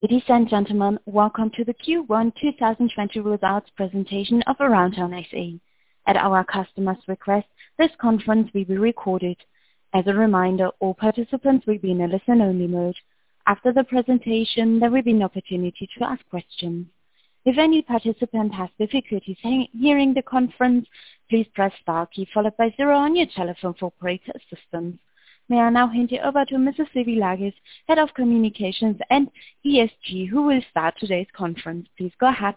Ladies and gentlemen, welcome to the Q1 2020 Results Presentation of Aroundtown SA. At our customers' request, this conference will be recorded. As a reminder, all participants will be in a listen-only mode. After the presentation, there will be an opportunity to ask questions. If any participant has difficulty hearing the conference, please press star key, followed by zero on your telephone for operator assistance. May I now hand you over to Mrs. Sylvie Lagies, Head of Communications and ESG, who will start today's conference. Please go ahead.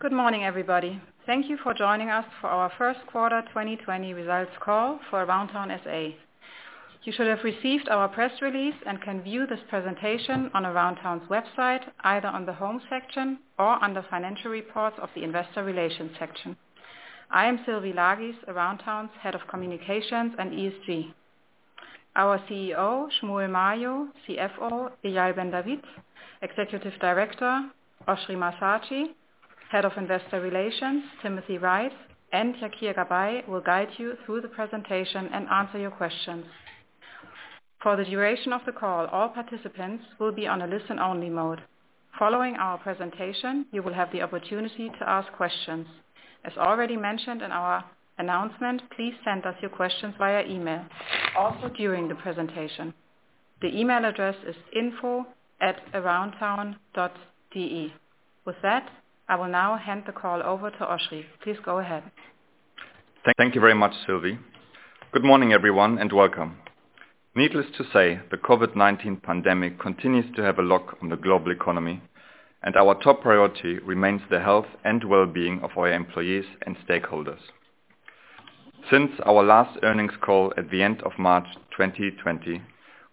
Good morning, everybody. Thank you for joining us for our first quarter 2020 results call for Aroundtown SA. You should have received our press release and can view this presentation on Aroundtown's website, either on the home section or under Financial Reports of the Investor Relations section. I am Sylvie Lagies, Aroundtown's Head of Communications and ESG. Our CEO, Shmuel Mayo, CFO, Eyal Ben David, Executive Director, Oschrie Massatschi, Head of Investor Relations, Timothy Wright, and Yakir Gabay, will guide you through the presentation and answer your questions. For the duration of the call, all participants will be on a listen-only mode. Following our presentation, you will have the opportunity to ask questions. As already mentioned in our announcement, please send us your questions via email, also during the presentation. The email address is info@aroundtown.de. With that, I will now hand the call over to Oschrie. Please go ahead. Thank you very much, Sylvie. Good morning, everyone, and welcome. Needless to say, the COVID-19 pandemic continues to have a lock on the global economy, and our top priority remains the health and well-being of our employees and stakeholders. Since our last earnings call at the end of March 2020,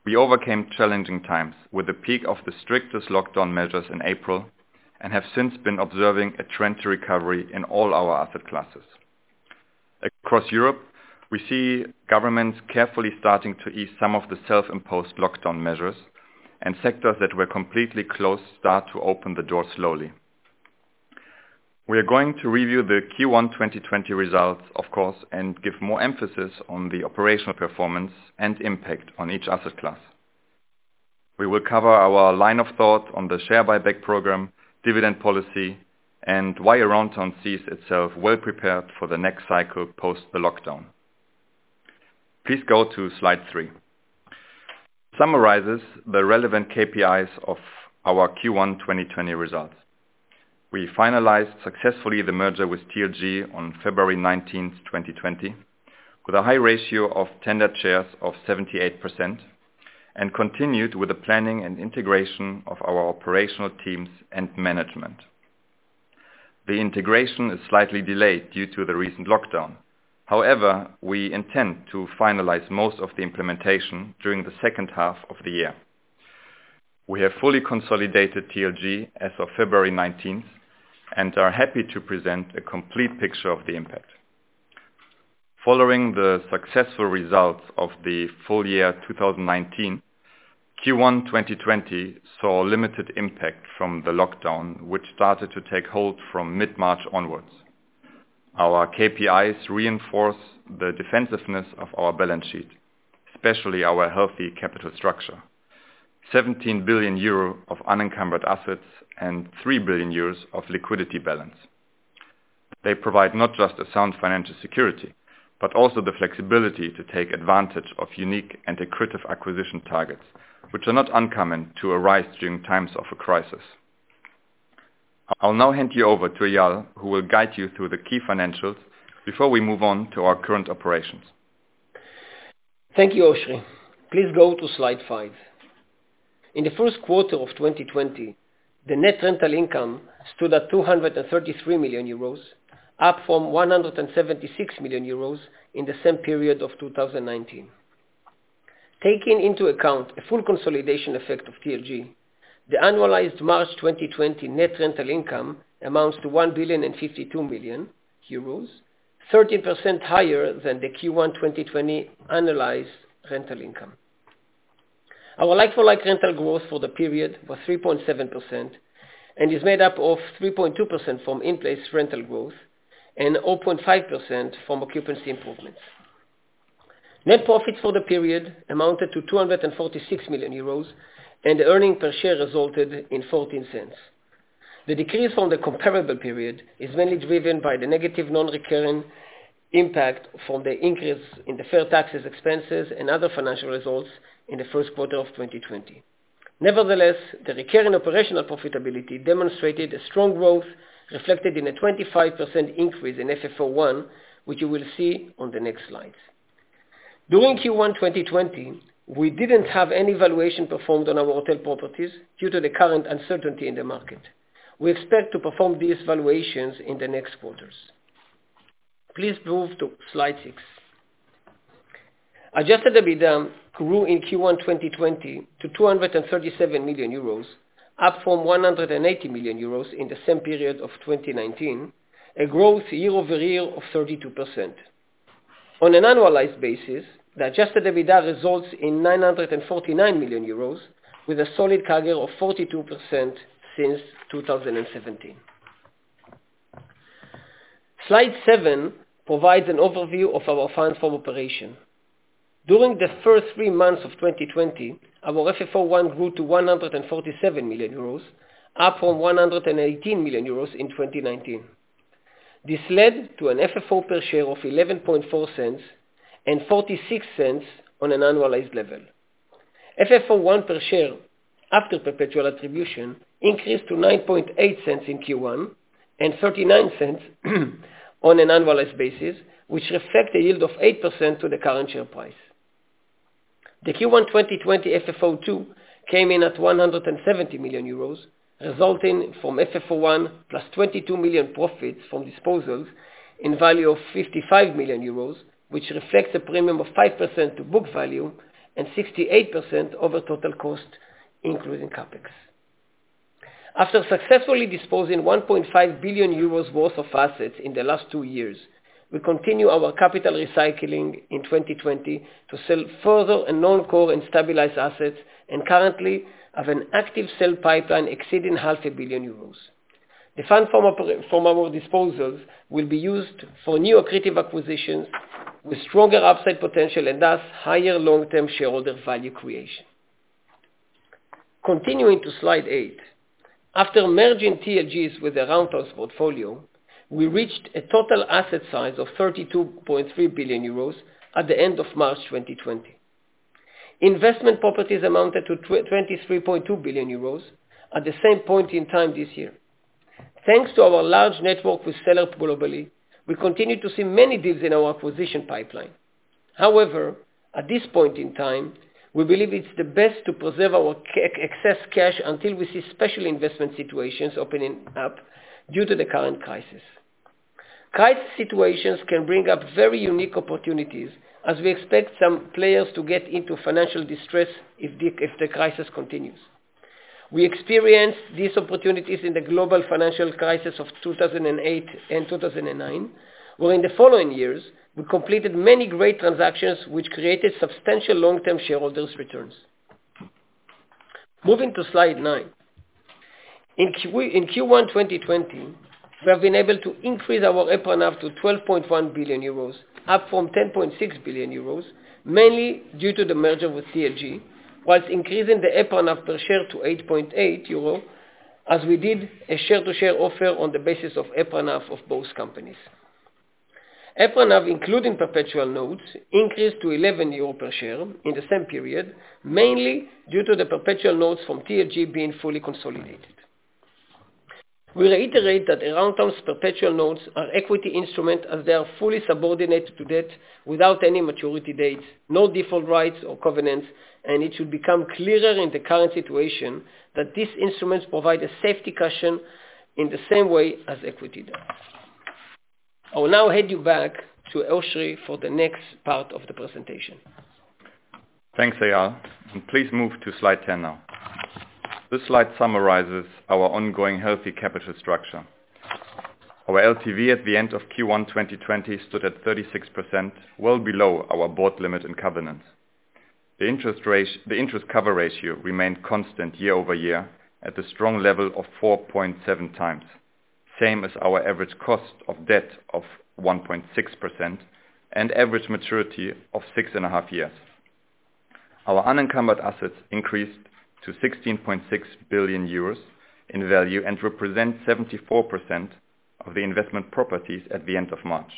we overcame challenging times with a peak of the strictest lockdown measures in April, and have since been observing a trend to recovery in all our asset classes. Across Europe, we see governments carefully starting to ease some of the self-imposed lockdown measures, and sectors that were completely closed start to open the door slowly. We are going to review the Q1 2020 results, of course, and give more emphasis on the operational performance and impact on each asset class. We will cover our line of thought on the share buyback program, dividend policy, and why Aroundtown sees itself well prepared for the next cycle post the lockdown. Please go to slide three. Summarizes the relevant KPIs of our Q1 2020 results. We finalized successfully the merger with TLG on February 19, 2020, with a high ratio of tender shares of 78%, and continued with the planning and integration of our operational teams and management. The integration is slightly delayed due to the recent lockdown. However, we intend to finalize most of the implementation during the second half of the year. We have fully consolidated TLG as of February 19, 2020, and are happy to present a complete picture of the impact. Following the successful results of the full year 2019, Q1 2020 saw limited impact from the lockdown, which started to take hold from mid-March onwards. Our KPIs reinforce the defensiveness of our balance sheet, especially our healthy capital structure. 17 billion euro of unencumbered assets and 3 billion euros of liquidity balance. They provide not just a sound financial security, but also the flexibility to take advantage of unique and accretive acquisition targets, which are not uncommon to arise during times of a crisis. I'll now hand you over to Eyal, who will guide you through the key financials before we move on to our current operations. Thank you, Oschrie. Please go to slide five. In the first quarter of 2020, the net rental income stood at 233 million euros, up from 176 million euros in the same period of 2019. Taking into account the full consolidation effect of TLG, the annualized March 2020 net rental income amounts to 1 billion and 52 million euros, 13% higher than the Q1 2020 annualized rental income. Our like-for-like rental growth for the period was 3.7%, and is made up of 3.2% from in-place rental growth and 0.5% from occupancy improvements. Net profits for the period amounted to 246 million euros, and the earnings per share resulted in 0.14. The decrease from the comparable period is mainly driven by the negative non-recurring impact from the increase in the fair taxes, expenses, and other financial results in the first quarter of 2020. Nevertheless, the recurring operational profitability demonstrated a strong growth, reflected in a 25% increase in FFO 1, which you will see on the next slide. During Q1 2020, we didn't have any valuation performed on our hotel properties due to the current uncertainty in the market. We expect to perform these valuations in the next quarters. Please move to slide six. Adjusted EBITDA grew in Q1 2020 to 237 million euros, up from 180 million euros in the same period of 2019, a growth year-over-year of 32%. On an annualized basis, the adjusted EBITDA results in 949 million euros, with a solid CAGR of 42% since 2017. Slide seven provides an overview of our funds from operations. During the first three months of 2020, our FFO 1 grew to 147 million euros, up from 118 million euros in 2019. This led to an FFO per share of 0.114, and 0.46 on an annualized level. FFO 1 per share, after perpetual attribution, increased to 0.098 in Q1, and 0.39 on an annualized basis, which reflect a yield of 8% to the current share price. The Q1 2020 FFO 2 came in at 170 million euros, resulting from FFO 1, plus 22 million profits from disposals in value of 55 million euros, which reflects a premium of 5% to book value, and 68% over total cost, including CapEx. After successfully disposing 1.5 billion euros worth of assets in the last two years, we continue our capital recycling in 2020, to sell further non-core and stabilized assets, and currently have an active sell pipeline exceeding 0.5 billion euros. The funds from our disposals will be used for new accretive acquisitions with stronger upside potential, and thus, higher long-term shareholder value creation. Continuing to slide 8. After merging TLG's with Aroundtown's portfolio, we reached a total asset size of 32.3 billion euros at the end of March 2020. Investment properties amounted to 23.2 billion euros at the same point in time this year. Thanks to our large network with sellers globally, we continue to see many deals in our acquisition pipeline. However, at this point in time, we believe it's the best to preserve our excess cash until we see special investment situations opening up due to the current crisis. Crisis situations can bring up very unique opportunities, as we expect some players to get into financial distress if the crisis continues. We experienced these opportunities in the global financial crisis of 2008 and 2009, where in the following years, we completed many great transactions, which created substantial long-term shareholders returns. Moving to slide nine. In Q1 2020, we have been able to increase our EPRA NAV up to 12.1 billion euros, up from 10.6 billion euros, mainly due to the merger with TLG, while increasing the EPRA NAV per share to 8.8, as we did a share-to-share offer on the basis of EPRA NAV of both companies. EPRA NAV, including perpetual notes, increased to 11 euro per share in the same period, mainly due to the perpetual notes from TLG being fully consolidated. We reiterate that Aroundtown's perpetual notes are equity instrument, as they are fully subordinated to debt without any maturity date, no default rights or covenants, and it should become clearer in the current situation that these instruments provide a safety cushion in the same way as equity does. I will now hand you back to Oschrie for the next part of the presentation. Thanks, Eyal, and please move to slide 10 now. This slide summarizes our ongoing healthy capital structure. Our LTV at the end of Q1 2020 stood at 36%, well below our board limit and covenants. The interest cover ratio remained constant year-over-year, at the strong level of 4.7x, same as our average cost of debt of 1.6%, and average maturity of 6.5 years. Our unencumbered assets increased to 16.6 billion euros in value, and represent 74% of the investment properties at the end of March.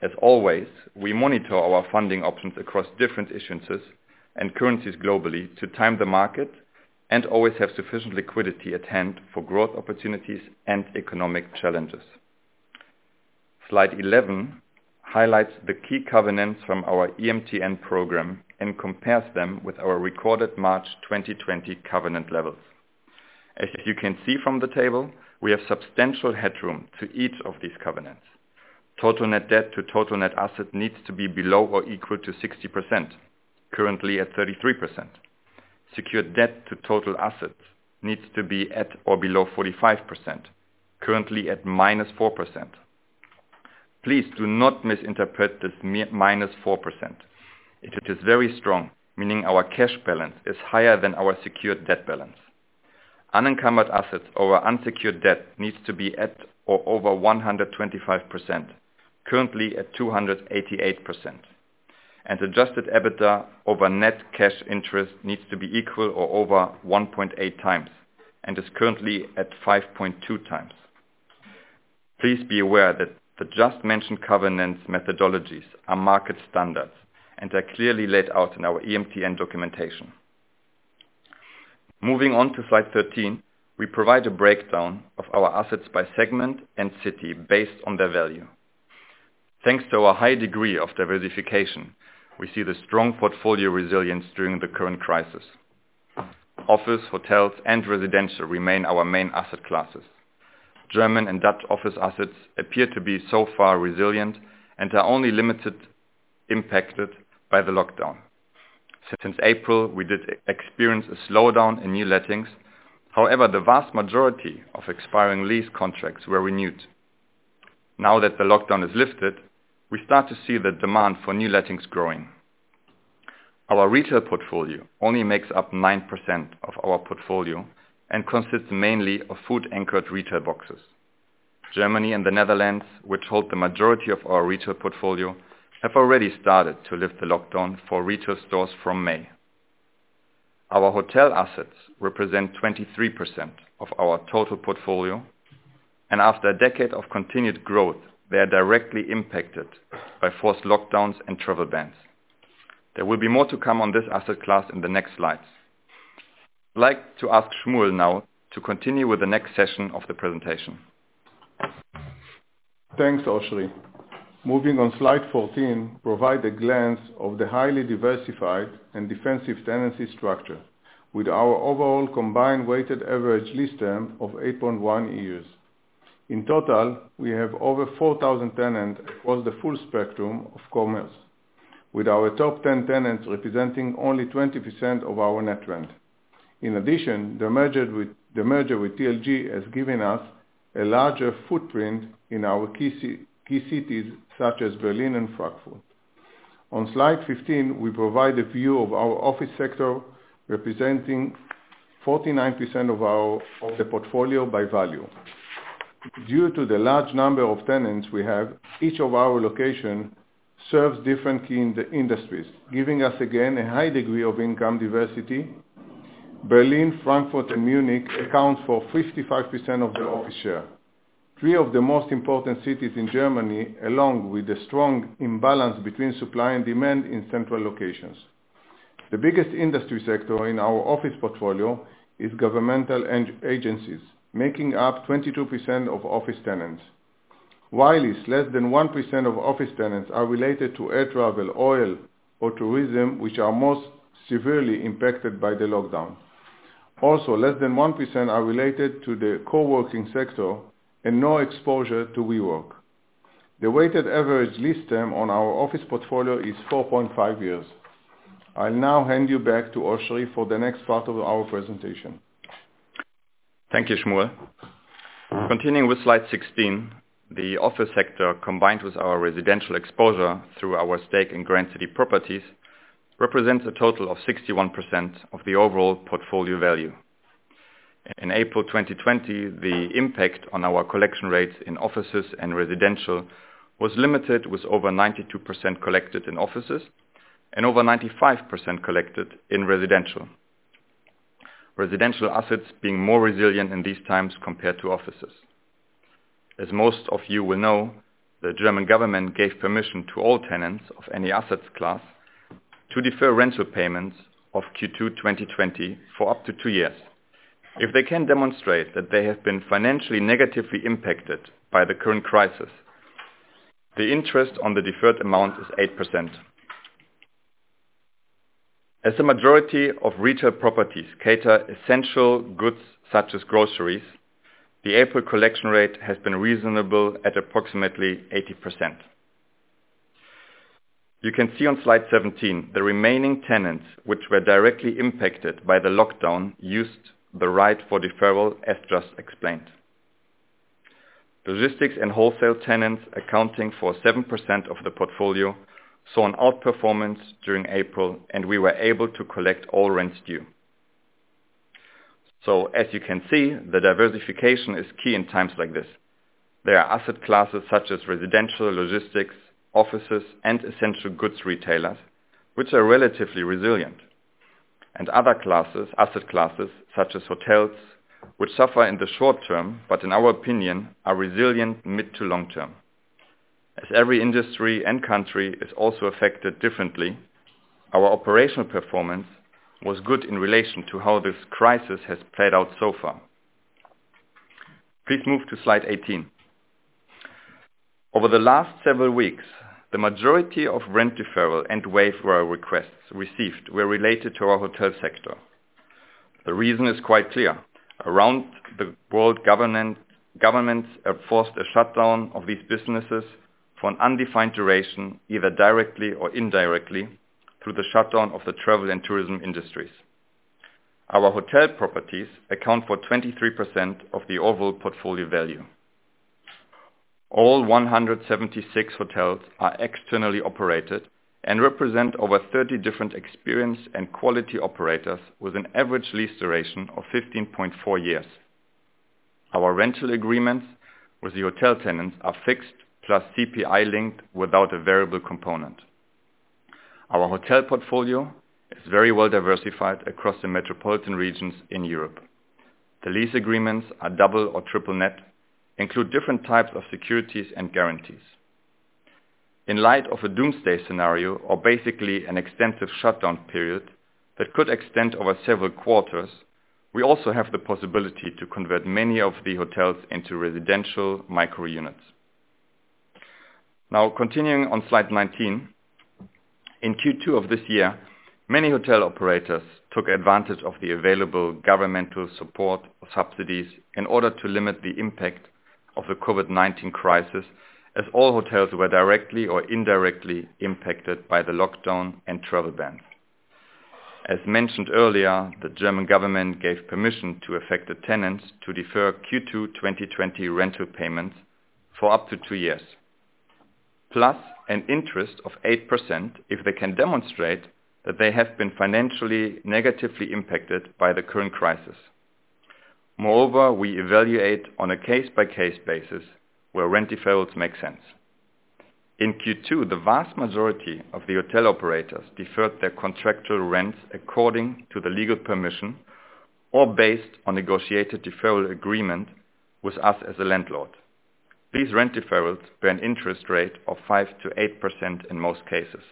As always, we monitor our funding options across different issuances and currencies globally, to time the market, and always have sufficient liquidity at hand for growth opportunities and economic challenges. Slide 11 highlights the key covenants from our EMTN program and compares them with our recorded March 2020 covenant levels. As you can see from the table, we have substantial headroom to each of these covenants. Total net debt to total net asset needs to be below or equal to 60%, currently at 33%. Secured debt to total assets needs to be at or below 45%, currently at -4%. Please do not misinterpret this -4%. It is very strong, meaning our cash balance is higher than our secured debt balance. Unencumbered assets or unsecured debt needs to be at or over 125%, currently at 288%. And adjusted EBITDA over net cash interest needs to be equal or over 1.8x, and is currently at 5.2x. Please be aware that the just mentioned covenants methodologies are market standards and are clearly laid out in our EMTN documentation. Moving on to slide 13, we provide a breakdown of our assets by segment and city based on their value. Thanks to our high degree of diversification, we see the strong portfolio resilience during the current crisis. Office, hotels, and residential remain our main asset classes. German and Dutch office assets appear to be, so far, resilient and are only limitedly impacted by the lockdown. Since April, we did experience a slowdown in new lettings. However, the vast majority of expiring lease contracts were renewed. Now that the lockdown is lifted, we start to see the demand for new lettings growing. Our retail portfolio only makes up 9% of our portfolio and consists mainly of food-anchored retail boxes. Germany and the Netherlands, which hold the majority of our retail portfolio, have already started to lift the lockdown for retail stores from May. Our hotel assets represent 23% of our total portfolio, and after a decade of continued growth, they are directly impacted by forced lockdowns and travel bans. There will be more to come on this asset class in the next slides. I'd like to ask Shmuel now to continue with the next session of the presentation. Thanks, Oschrie. Moving on slide 14, provide a glance of the highly diversified and defensive tenancy structure, with our overall combined weighted average lease term of 8.1 years. In total, we have over 4,000 tenants across the full spectrum of commerce, with our top 10 tenants representing only 20% of our net rent. In addition, the merger with TLG has given us a larger footprint in our key cities, such as Berlin and Frankfurt. On slide 15, we provide a view of our office sector, representing 49% of the portfolio by value. Due to the large number of tenants we have, each of our location serves different key industries, giving us, again, a high degree of income diversity. Berlin, Frankfurt, and Munich account for 55% of the office share. Three of the most important cities in Germany, along with the strong imbalance between supply and demand in central locations. The biggest industry sector in our office portfolio is governmental and agencies, making up 22% of office tenants. While it's less than 1% of office tenants are related to air travel, oil, or tourism, which are most severely impacted by the lockdown. Also, less than 1% are related to the co-working sector and no exposure to WeWork. The weighted average lease term on our office portfolio is 4.5 years. I'll now hand you back to Oschrie for the next part of our presentation. Thank you, Shmuel. Continuing with slide 16, the office sector, combined with our residential exposure through our stake in Grand City Properties, represents a total of 61% of the overall portfolio value. In April 2020, the impact on our collection rates in offices and residential was limited, with over 92% collected in offices and over 95% collected in residential. Residential assets being more resilient in these times compared to offices. As most of you will know, the German government gave permission to all tenants of any asset class to defer rental payments of Q2 2020 for up to two years. If they can demonstrate that they have been financially negatively impacted by the current crisis, the interest on the deferred amount is 8%. As the majority of retail properties cater essential goods such as groceries, the April collection rate has been reasonable at approximately 80%. You can see on slide 17, the remaining tenants, which were directly impacted by the lockdown, used the right for deferral, as just explained. Logistics and wholesale tenants, accounting for 7% of the portfolio, saw an outperformance during April, and we were able to collect all rents due. So as you can see, the diversification is key in times like this. There are asset classes such as residential, logistics, offices, and essential goods retailers, which are relatively resilient. And other classes, asset classes, such as hotels, which suffer in the short term, but in our opinion, are resilient mid to long term. As every industry and country is also affected differently, our operational performance was good in relation to how this crisis has played out so far. Please move to slide 18. Over the last several weeks, the majority of rent deferral and waiver requests received were related to our hotel sector. The reason is quite clear. Around the world, governments have forced a shutdown of these businesses for an undefined duration, either directly or indirectly, through the shutdown of the travel and tourism industries. Our hotel properties account for 23% of the overall portfolio value. All 176 hotels are externally operated and represent over 30 different experience and quality operators, with an average lease duration of 15.4 years. Our rental agreements with the hotel tenants are fixed, plus CPI-linked without a variable component. Our hotel portfolio is very well diversified across the metropolitan regions in Europe. The lease agreements are double or triple net, include different types of securities and guarantees. In light of a doomsday scenario, or basically an extensive shutdown period that could extend over several quarters, we also have the possibility to convert many of the hotels into residential micro units. Now, continuing on slide 19. In Q2 of this year, many hotel operators took advantage of the available governmental support subsidies in order to limit the impact of the COVID-19 crisis, as all hotels were directly or indirectly impacted by the lockdown and travel bans. As mentioned earlier, the German government gave permission to affected tenants to defer Q2 2020 rental payments for up to two years, plus an interest of 8% if they can demonstrate that they have been financially negatively impacted by the current crisis. Moreover, we evaluate on a case-by-case basis where rent deferrals make sense. In Q2, the vast majority of the hotel operators deferred their contractual rents according to the legal permission or based on negotiated deferral agreement with us as a landlord. These rent deferrals bear an interest rate of 5%-8% in most cases.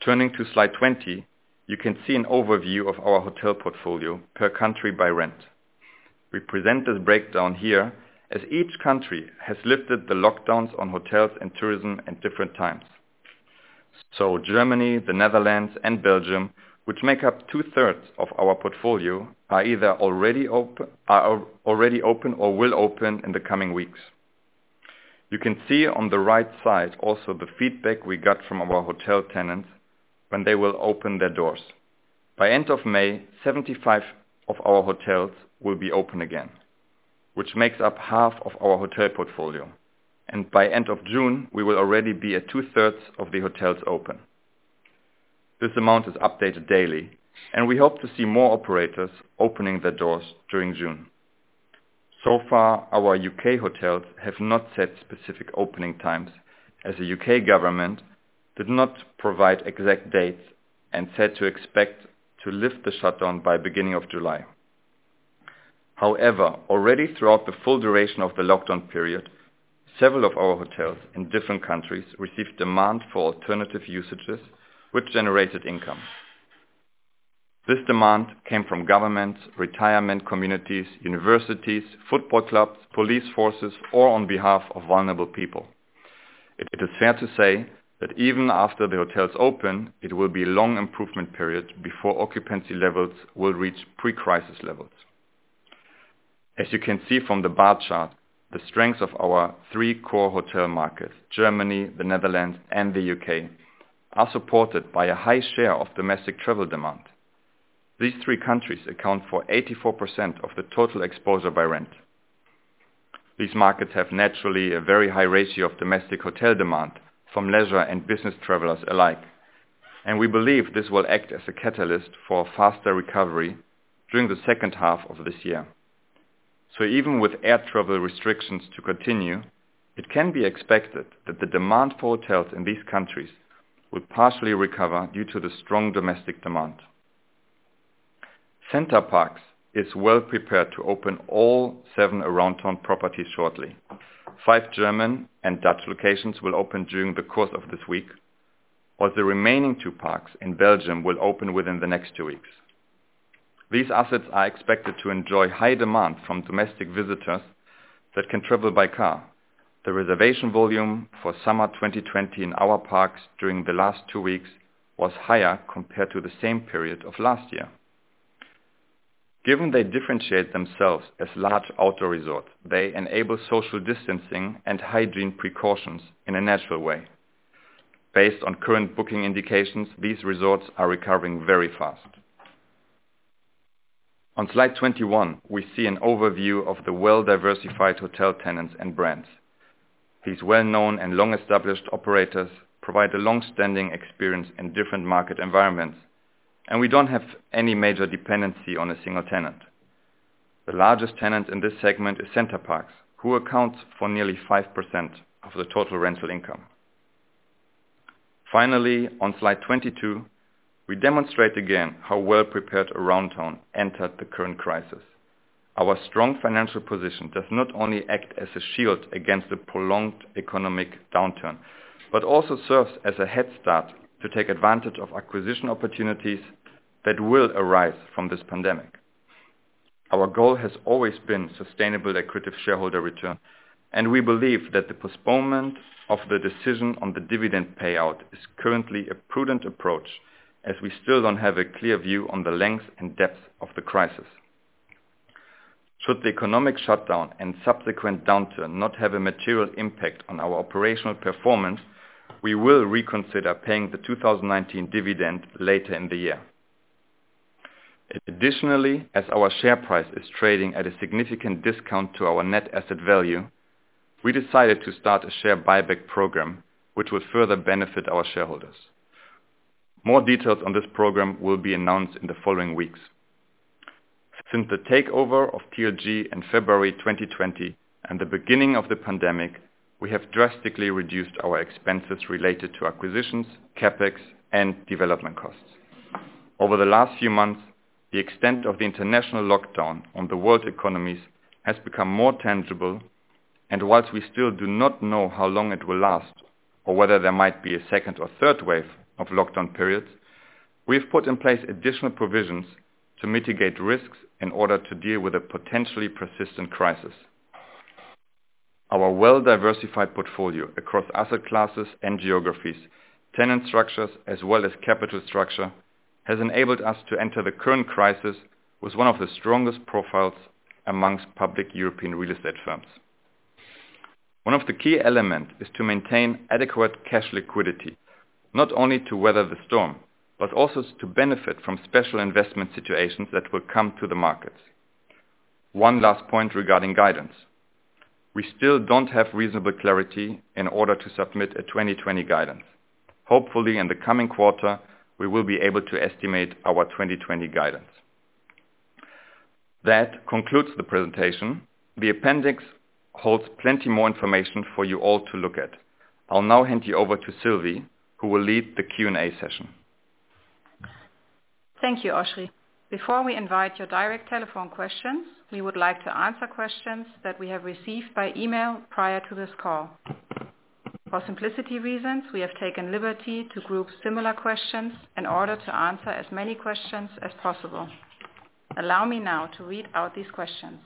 Turning to slide 20, you can see an overview of our hotel portfolio per country by rent. We present this breakdown here, as each country has lifted the lockdowns on hotels and tourism at different times. So Germany, the Netherlands, and Belgium, which make up two-thirds of our portfolio, are either already open or will open in the coming weeks. You can see on the right side also the feedback we got from our hotel tenants when they will open their doors. By end of May, 75 of our hotels will be open again, which makes up half of our hotel portfolio. By end of June, we will already be at two-thirds of the hotels open. This amount is updated daily, and we hope to see more operators opening their doors during June. So far, our U.K. hotels have not set specific opening times, as the U.K. government did not provide exact dates and said to expect to lift the shutdown by beginning of July. However, already throughout the full duration of the lockdown period, several of our hotels in different countries received demand for alternative usages, which generated income. This demand came from governments, retirement communities, universities, football clubs, police forces, or on behalf of vulnerable people. It is fair to say that even after the hotels open, it will be a long improvement period before occupancy levels will reach pre-crisis levels. As you can see from the bar chart, the strength of our three core hotel markets, Germany, the Netherlands, and the U.K., are supported by a high share of domestic travel demand. These three countries account for 84% of the total exposure by rent. These markets have naturally a very high ratio of domestic hotel demand from leisure and business travelers alike, and we believe this will act as a catalyst for faster recovery during the second half of this year. So even with air travel restrictions to continue, it can be expected that the demand for hotels in these countries will partially recover due to the strong domestic demand. Center Parcs is well prepared to open all seven Aroundtown properties shortly. Five German and Dutch locations will open during the course of this week, while the remaining two parks in Belgium will open within the next two weeks. These assets are expected to enjoy high demand from domestic visitors that can travel by car. The reservation volume for summer 2020 in our parks during the last two weeks was higher compared to the same period of last year. Given they differentiate themselves as large outdoor resorts, they enable social distancing and hygiene precautions in a natural way. Based on current booking indications, these resorts are recovering very fast. On slide 21, we see an overview of the well-diversified hotel tenants and brands. These well-known and long-established operators provide a long-standing experience in different market environments, and we don't have any major dependency on a single tenant. The largest tenant in this segment is Center Parcs, who accounts for nearly 5% of the total rental income. Finally, on slide 22, we demonstrate again how well prepared Aroundtown entered the current crisis. Our strong financial position does not only act as a shield against a prolonged economic downturn, but also serves as a head start to take advantage of acquisition opportunities that will arise from this pandemic. Our goal has always been sustainable accretive shareholder return, and we believe that the postponement of the decision on the dividend payout is currently a prudent approach, as we still don't have a clear view on the length and depth of the crisis. Should the economic shutdown and subsequent downturn not have a material impact on our operational performance, we will reconsider paying the 2019 dividend later in the year. Additionally, as our share price is trading at a significant discount to our net asset value, we decided to start a share buyback program, which will further benefit our shareholders. More details on this program will be announced in the following weeks. Since the takeover of TLG in February 2020 and the beginning of the pandemic, we have drastically reduced our expenses related to acquisitions, CapEx, and development costs. Over the last few months, the extent of the international lockdown on the world economies has become more tangible, and while we still do not know how long it will last or whether there might be a second or third wave of lockdown periods, we've put in place additional provisions to mitigate risks in order to deal with a potentially persistent crisis. Our well-diversified portfolio across asset classes and geographies, tenant structures, as well as capital structure, has enabled us to enter the current crisis with one of the strongest profiles amongst public European real estate firms. One of the key elements is to maintain adequate cash liquidity, not only to weather the storm, but also to benefit from special investment situations that will come to the markets. One last point regarding guidance: we still don't have reasonable clarity in order to submit a 2020 guidance. Hopefully, in the coming quarter, we will be able to estimate our 2020 guidance. That concludes the presentation. The appendix holds plenty more information for you all to look at. I'll now hand you over to Sylvie, who will lead the Q&A session. Thank you, Oschrie. Before we invite your direct telephone questions, we would like to answer questions that we have received by email prior to this call. For simplicity reasons, we have taken liberty to group similar questions in order to answer as many questions as possible. Allow me now to read out these questions.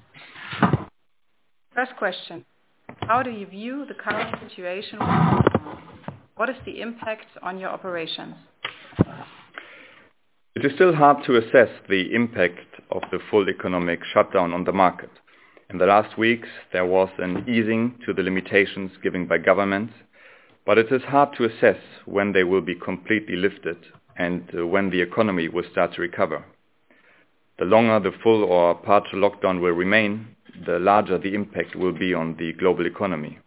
First question: How do you view the current situation? What is the impact on your operations? It is still hard to assess the impact of the full economic shutdown on the market. In the last weeks, there was an easing to the limitations given by governments, but it is hard to assess when they will be completely lifted and when the economy will start to recover. The longer the full or partial lockdown will remain, the larger the impact will be on the global economy.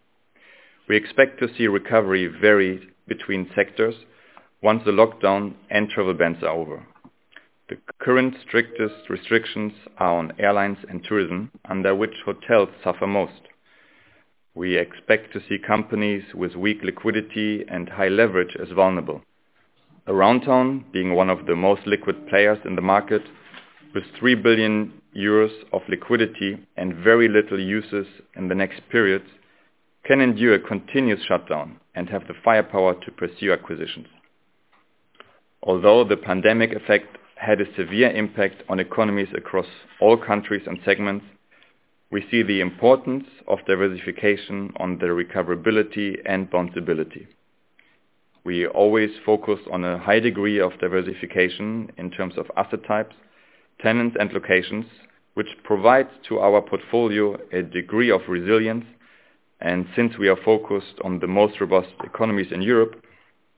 We expect to see recovery vary between sectors once the lockdown and travel bans are over. The current strictest restrictions are on airlines and tourism, under which hotels suffer most. We expect to see companies with weak liquidity and high leverage as vulnerable. Aroundtown, being one of the most liquid players in the market, with 3 billion euros of liquidity and very little uses in the next periods, can endure a continuous shutdown and have the firepower to pursue acquisitions. Although the pandemic effect had a severe impact on economies across all countries and segments, we see the importance of diversification on the recoverability and buoyancy. We always focus on a high degree of diversification in terms of asset types, tenants, and locations, which provides to our portfolio a degree of resilience, and since we are focused on the most robust economies in Europe,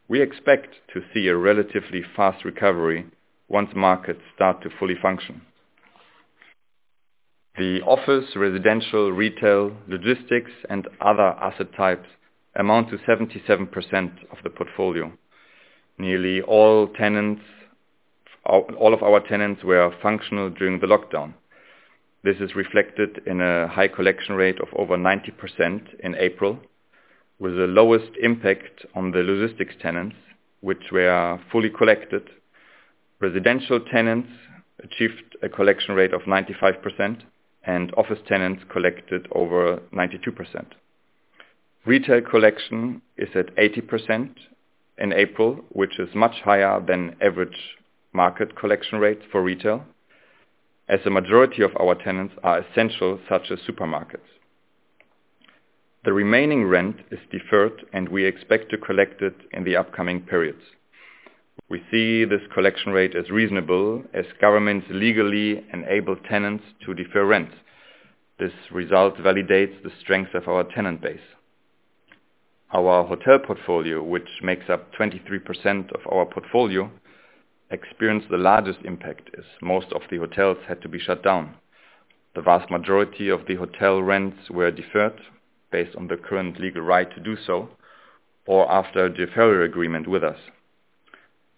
we expect to see a relatively fast recovery once markets start to fully function. The office, residential, retail, logistics, and other asset types amount to 77% of the portfolio. Nearly all tenants, all of our tenants were functional during the lockdown. This is reflected in a high collection rate of over 90% in April, with the lowest impact on the logistics tenants, which were fully collected. Residential tenants achieved a collection rate of 95%, and office tenants collected over 92%. Retail collection is at 80% in April, which is much higher than average market collection rate for retail, as the majority of our tenants are essential, such as supermarkets. The remaining rent is deferred, and we expect to collect it in the upcoming periods. We see this collection rate as reasonable, as governments legally enable tenants to defer rent. This result validates the strength of our tenant base. Our hotel portfolio, which makes up 23% of our portfolio, experienced the largest impact, as most of the hotels had to be shut down. The vast majority of the hotel rents were deferred based on the current legal right to do so, or after a deferral agreement with us.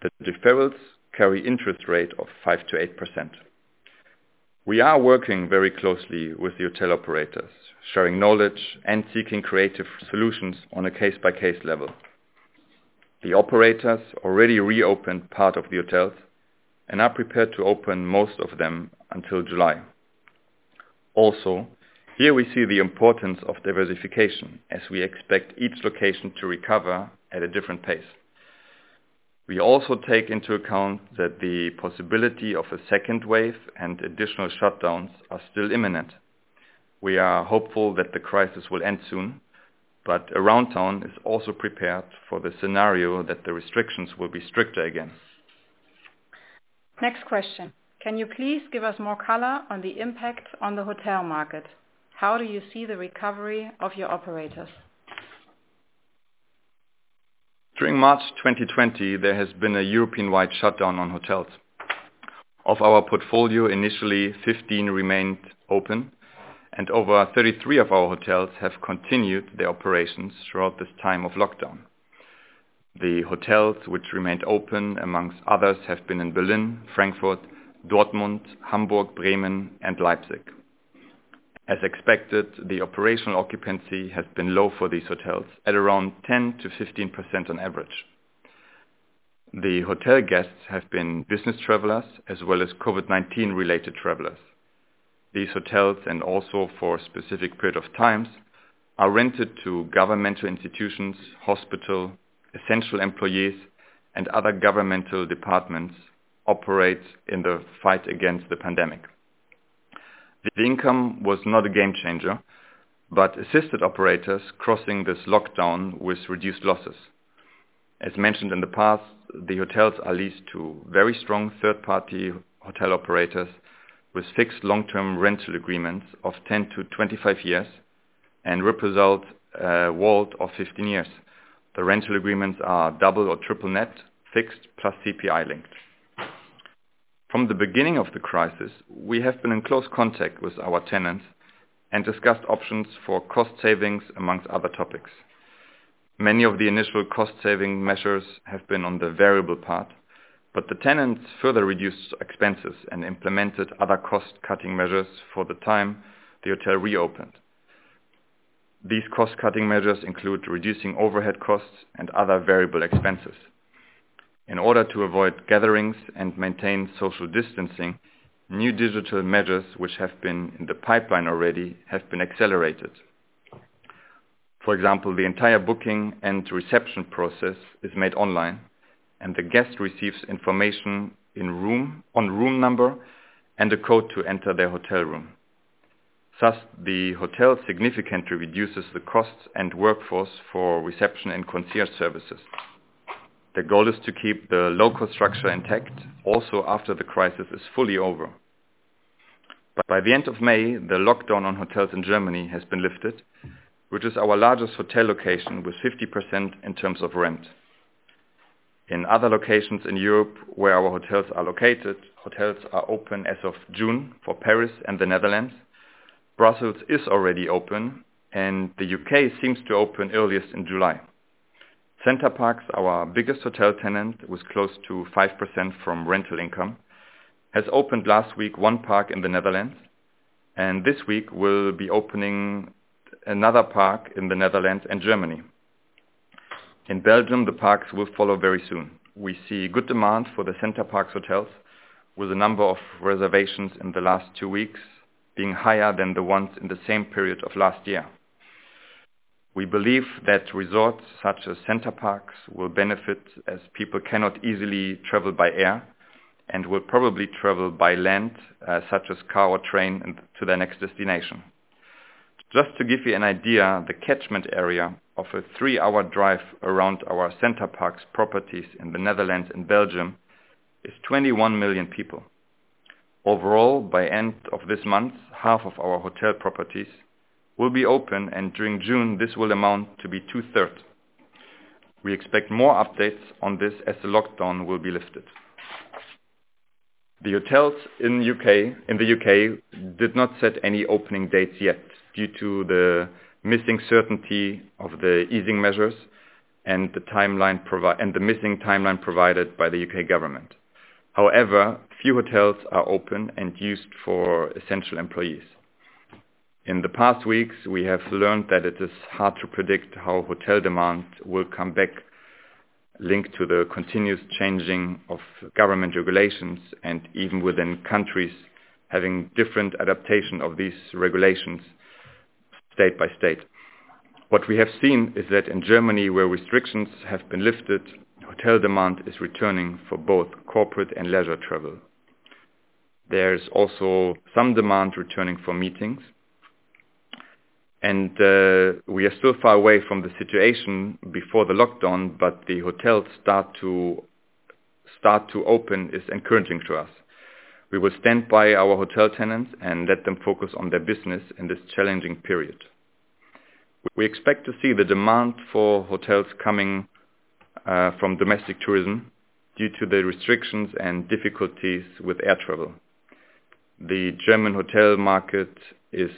The deferrals carry interest rate of 5%-8%. We are working very closely with the hotel operators, sharing knowledge and seeking creative solutions on a case-by-case level. The operators already reopened part of the hotels and are prepared to open most of them until July. Also, here we see the importance of diversification, as we expect each location to recover at a different pace. We also take into account that the possibility of a second wave and additional shutdowns are still imminent. We are hopeful that the crisis will end soon, but Aroundtown is also prepared for the scenario that the restrictions will be stricter again. Next question: Can you please give us more color on the impact on the hotel market? How do you see the recovery of your operators? During March 2020, there has been a European-wide shutdown on hotels. Of our portfolio, initially, 15 remained open, and over 33 of our hotels have continued their operations throughout this time of lockdown. The hotels which remained open, among others, have been in Berlin, Frankfurt, Dortmund, Hamburg, Bremen, and Leipzig. As expected, the operational occupancy has been low for these hotels at around 10%-15% on average. The hotel guests have been business travelers as well as COVID-19-related travelers. These hotels, and also for a specific period of times, are rented to governmental institutions, hospital, essential employees, and other governmental departments operate in the fight against the pandemic. The income was not a game changer, but assisted operators crossing this lockdown with reduced losses. As mentioned in the past, the hotels are leased to very strong third party hotel operators with fixed long-term rental agreements of 10-25 years, and represent WALT of 15 years. The rental agreements are double or triple net, fixed plus CPI linked. From the beginning of the crisis, we have been in close contact with our tenants and discussed options for cost savings, among other topics. Many of the initial cost saving measures have been on the variable part, but the tenants further reduced expenses and implemented other cost cutting measures for the time the hotel reopened. These cost cutting measures include reducing overhead costs and other variable expenses. In order to avoid gatherings and maintain social distancing, new digital measures, which have been in the pipeline already, have been accelerated. For example, the entire booking and reception process is made online, and the guest receives information in-room on room number and a code to enter their hotel room. Thus, the hotel significantly reduces the costs and workforce for reception and concierge services. The goal is to keep the local structure intact, also after the crisis is fully over. By the end of May, the lockdown on hotels in Germany has been lifted, which is our largest hotel location, with 50% in terms of rent. In other locations in Europe where our hotels are located, hotels are open as of June for Paris and the Netherlands. Brussels is already open, and the U.K. seems to open earliest in July. Center Parcs, our biggest hotel tenant, was close to 5% from rental income, has opened last week, one park in the Netherlands, and this week will be opening another park in the Netherlands and Germany. In Belgium, the parks will follow very soon. We see good demand for the Center Parcs hotels, with a number of reservations in the last two weeks being higher than the ones in the same period of last year. We believe that resorts such as Center Parcs will benefit, as people cannot easily travel by air, and will probably travel by land, such as car or train, and to their next destination. Just to give you an idea, the catchment area of a three hour drive around our Center Parcs properties in the Netherlands and Belgium is 21 million people. Overall, by the end of this month, half of our hotel properties will be open, and during June, this will amount to two-thirds. We expect more updates on this as the lockdown will be lifted. The hotels in the U.K. did not set any opening dates yet, due to the missing certainty of the easing measures and the missing timeline provided by the U.K. government. However, few hotels are open and used for essential employees. In the past weeks, we have learned that it is hard to predict how hotel demand will come back, linked to the continuous changing of government regulations, and even within countries having different adaptation of these regulations state by state. What we have seen is that in Germany, where restrictions have been lifted, hotel demand is returning for both corporate and leisure travel. There's also some demand returning for meetings. And we are still far away from the situation before the lockdown, but the hotels start to open is encouraging to us. We will stand by our hotel tenants and let them focus on their business in this challenging period. We expect to see the demand for hotels coming from domestic tourism due to the restrictions and difficulties with air travel. The German hotel market is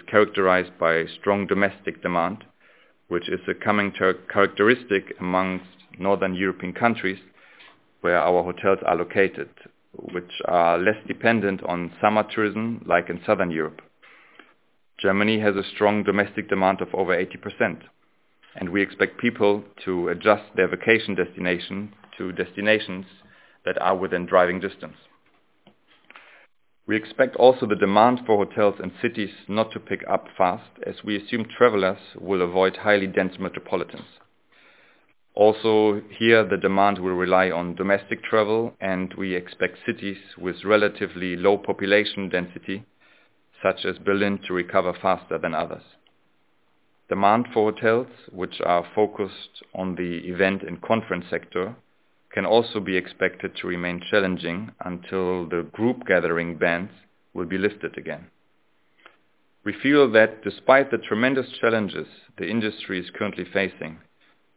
characterized by strong domestic demand, which is a characteristic amongst Northern European countries, where our hotels are located, which are less dependent on summer tourism, like in Southern Europe. Germany has a strong domestic demand of over 80%, and we expect people to adjust their vacation destination to destinations that are within driving distance. We expect also the demand for hotels and cities not to pick up fast, as we assume travelers will avoid highly dense metropolitans. Also, here, the demand will rely on domestic travel, and we expect cities with relatively low population density, such as Berlin, to recover faster than others. Demand for hotels, which are focused on the event and conference sector, can also be expected to remain challenging until the group gathering bans will be lifted again. We feel that despite the tremendous challenges the industry is currently facing,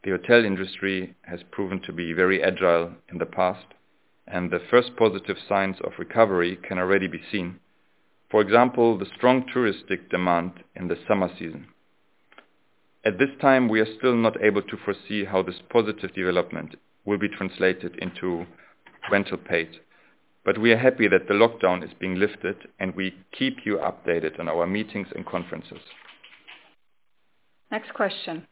the hotel industry has proven to be very agile in the past, and the first positive signs of recovery can already be seen. For example, the strong touristic demand in the summer season. At this time, we are still not able to foresee how this positive development will be translated into rental paid, but we are happy that the lockdown is being lifted, and we keep you updated on our meetings and conferences. Next question: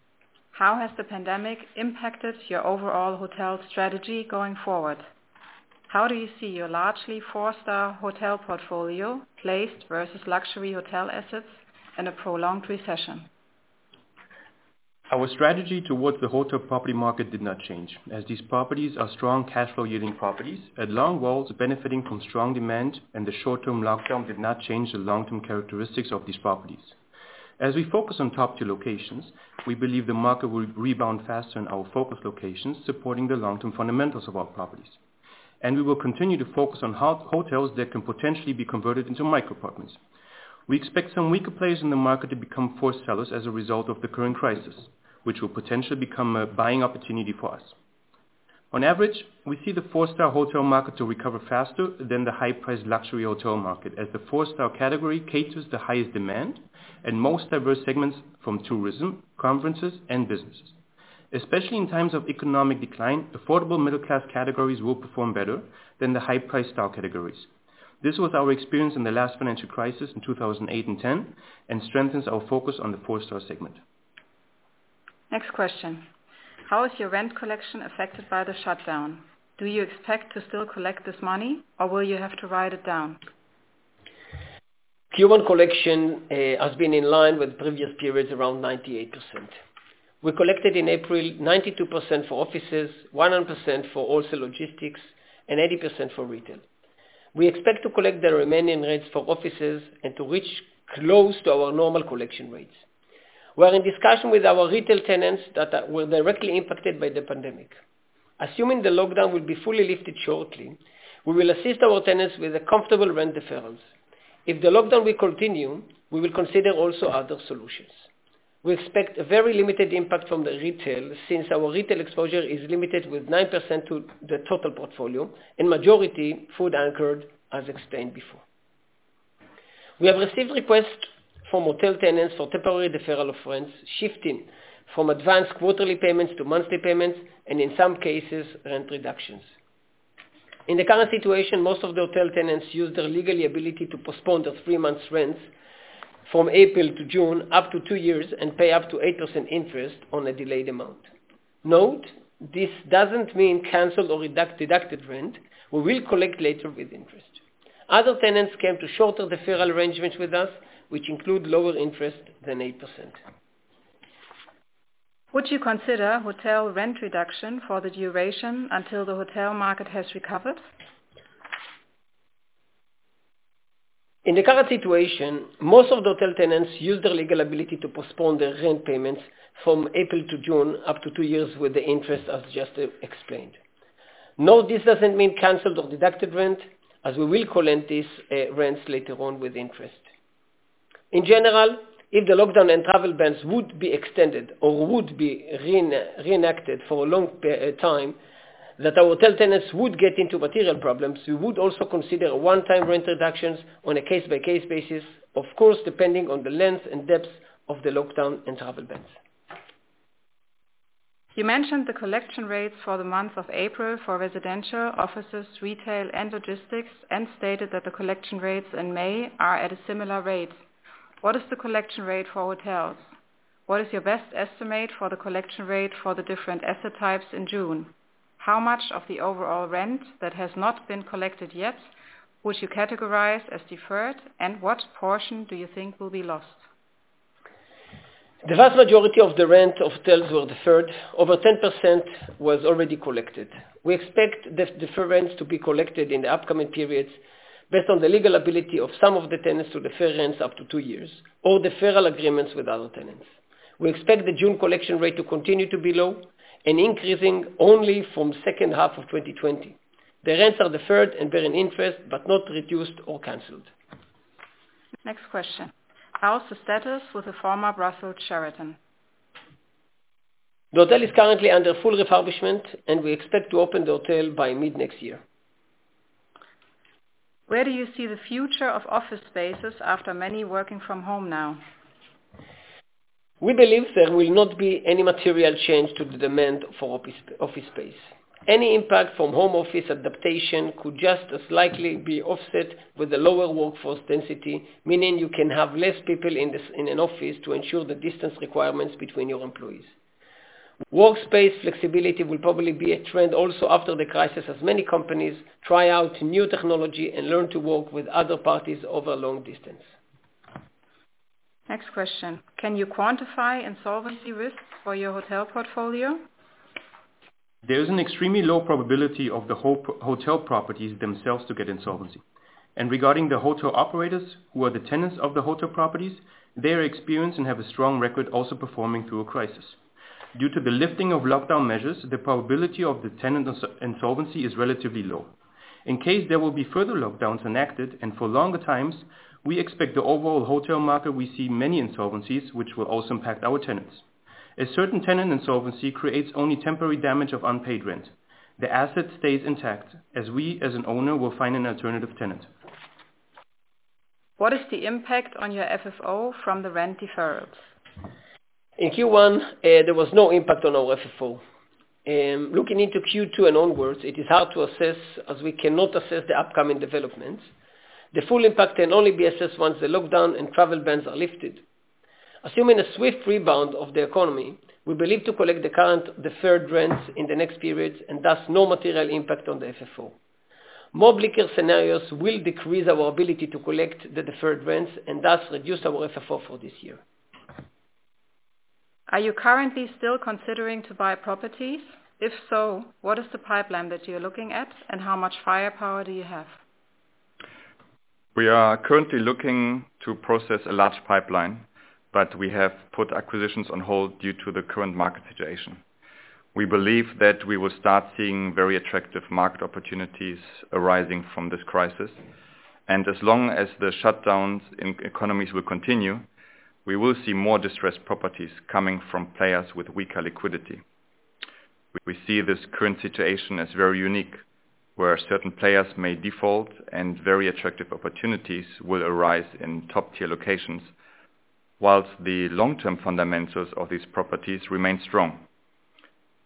How has the pandemic impacted your overall hotel strategy going forward? How do you see your largely four-star hotel portfolio placed versus luxury hotel assets in a prolonged recession? Our strategy towards the hotel property market did not change, as these properties are strong cash flow yielding properties. All in all, benefiting from strong demand and the short-term lockdown did not change the long-term characteristics of these properties. ...As we focus on top tier locations, we believe the market will rebound faster in our focus locations, supporting the long-term fundamentals of our properties. We will continue to focus on half hotels that can potentially be converted into micro apartments. We expect some weaker players in the market to become forced sellers as a result of the current crisis, which will potentially become a buying opportunity for us. On average, we see the four-star hotel market to recover faster than the high-priced luxury hotel market, as the four-star category caters the highest demand and most diverse segments from tourism, conferences, and businesses. Especially in times of economic decline, affordable middle class categories will perform better than the high price star categories. This was our experience in the last financial crisis in 2008 and 2010, and strengthens our focus on the four-star segment. Next question: How is your rent collection affected by the shutdown? Do you expect to still collect this money, or will you have to write it down? Q1 collection has been in line with previous periods, around 98%. We collected in April, 92% for offices, 100% for also logistics, and 80% for retail. We expect to collect the remaining rents for offices and to reach close to our normal collection rates. We are in discussion with our retail tenants that were directly impacted by the pandemic. Assuming the lockdown will be fully lifted shortly, we will assist our tenants with a comfortable rent deferrals. If the lockdown will continue, we will consider also other solutions. We expect a very limited impact from the retail, since our retail exposure is limited with 9% to the total portfolio, and majority food anchored, as explained before. We have received requests from hotel tenants for temporary deferral of rents, shifting from advanced quarterly payments to monthly payments, and in some cases, rent reductions. In the current situation, most of the hotel tenants use their legal ability to postpone the three months rents from April to June, up to two years, and pay up to 8% interest on a delayed amount. Note, this doesn't mean canceled or reduced deducted rent, we will collect later with interest. Other tenants came to shorter deferral arrangements with us, which include lower interest than 8%. Would you consider hotel rent reduction for the duration until the hotel market has recovered? In the current situation, most of the hotel tenants use their legal ability to postpone their rent payments from April to June, up to two years, with the interest, as just explained. No, this doesn't mean canceled or deducted rent, as we will collect these rents later on with interest. In general, if the lockdown and travel bans would be extended or would be reenacted for a long time, that our hotel tenants would get into material problems, we would also consider a one-time rent reductions on a case-by-case basis, of course, depending on the length and depth of the lockdown and travel bans. You mentioned the collection rates for the month of April for residential, offices, retail, and logistics, and stated that the collection rates in May are at a similar rate. What is the collection rate for hotels? What is your best estimate for the collection rate for the different asset types in June? How much of the overall rent that has not been collected yet would you categorize as deferred, and what portion do you think will be lost? The vast majority of the rent of hotels were deferred. Over 10% was already collected. We expect the deferred rents to be collected in the upcoming periods, based on the legal ability of some of the tenants to defer rents up to two years or deferral agreements with other tenants. We expect the June collection rate to continue to be low and increasing only from second half of 2020. The rents are deferred and bear an interest, but not reduced or canceled. Next question: How is the status with the former Brussels Sheraton? The hotel is currently under full refurbishment, and we expect to open the hotel by mid-next year. Where do you see the future of office spaces after many working from home now? We believe there will not be any material change to the demand for office space. Any impact from home office adaptation could just as likely be offset with a lower workforce density, meaning you can have less people in this, in an office to ensure the distance requirements between your employees. Workspace flexibility will probably be a trend also after the crisis, as many companies try out new technology and learn to work with other parties over a long distance. Next question: Can you quantify insolvency risks for your hotel portfolio? There is an extremely low probability of the hotel properties themselves to get insolvency. Regarding the hotel operators, who are the tenants of the hotel properties, they are experienced and have a strong record also performing through a crisis. Due to the lifting of lockdown measures, the probability of the tenant insolvency is relatively low. In case there will be further lockdowns enacted, and for longer times, we expect the overall hotel market. We see many insolvencies, which will also impact our tenants. A certain tenant insolvency creates only temporary damage of unpaid rent. The asset stays intact, as we, as an owner, will find an alternative tenant. What is the impact on your FFO from the rent deferrals? In Q1, there was no impact on our FFO. Looking into Q2 and onwards, it is hard to assess, as we cannot assess the upcoming developments. The full impact can only be assessed once the lockdown and travel bans are lifted. Assuming a swift rebound of the economy, we believe to collect the current deferred rents in the next period, and thus no material impact on the FFO. More bleaker scenarios will decrease our ability to collect the deferred rents, and thus reduce our FFO for this year.... Are you currently still considering to buy properties? If so, what is the pipeline that you're looking at, and how much firepower do you have? We are currently looking to process a large pipeline, but we have put acquisitions on hold due to the current market situation. We believe that we will start seeing very attractive market opportunities arising from this crisis, and as long as the shutdowns in economies will continue, we will see more distressed properties coming from players with weaker liquidity. We see this current situation as very unique, where certain players may default and very attractive opportunities will arise in top-tier locations, while the long-term fundamentals of these properties remain strong.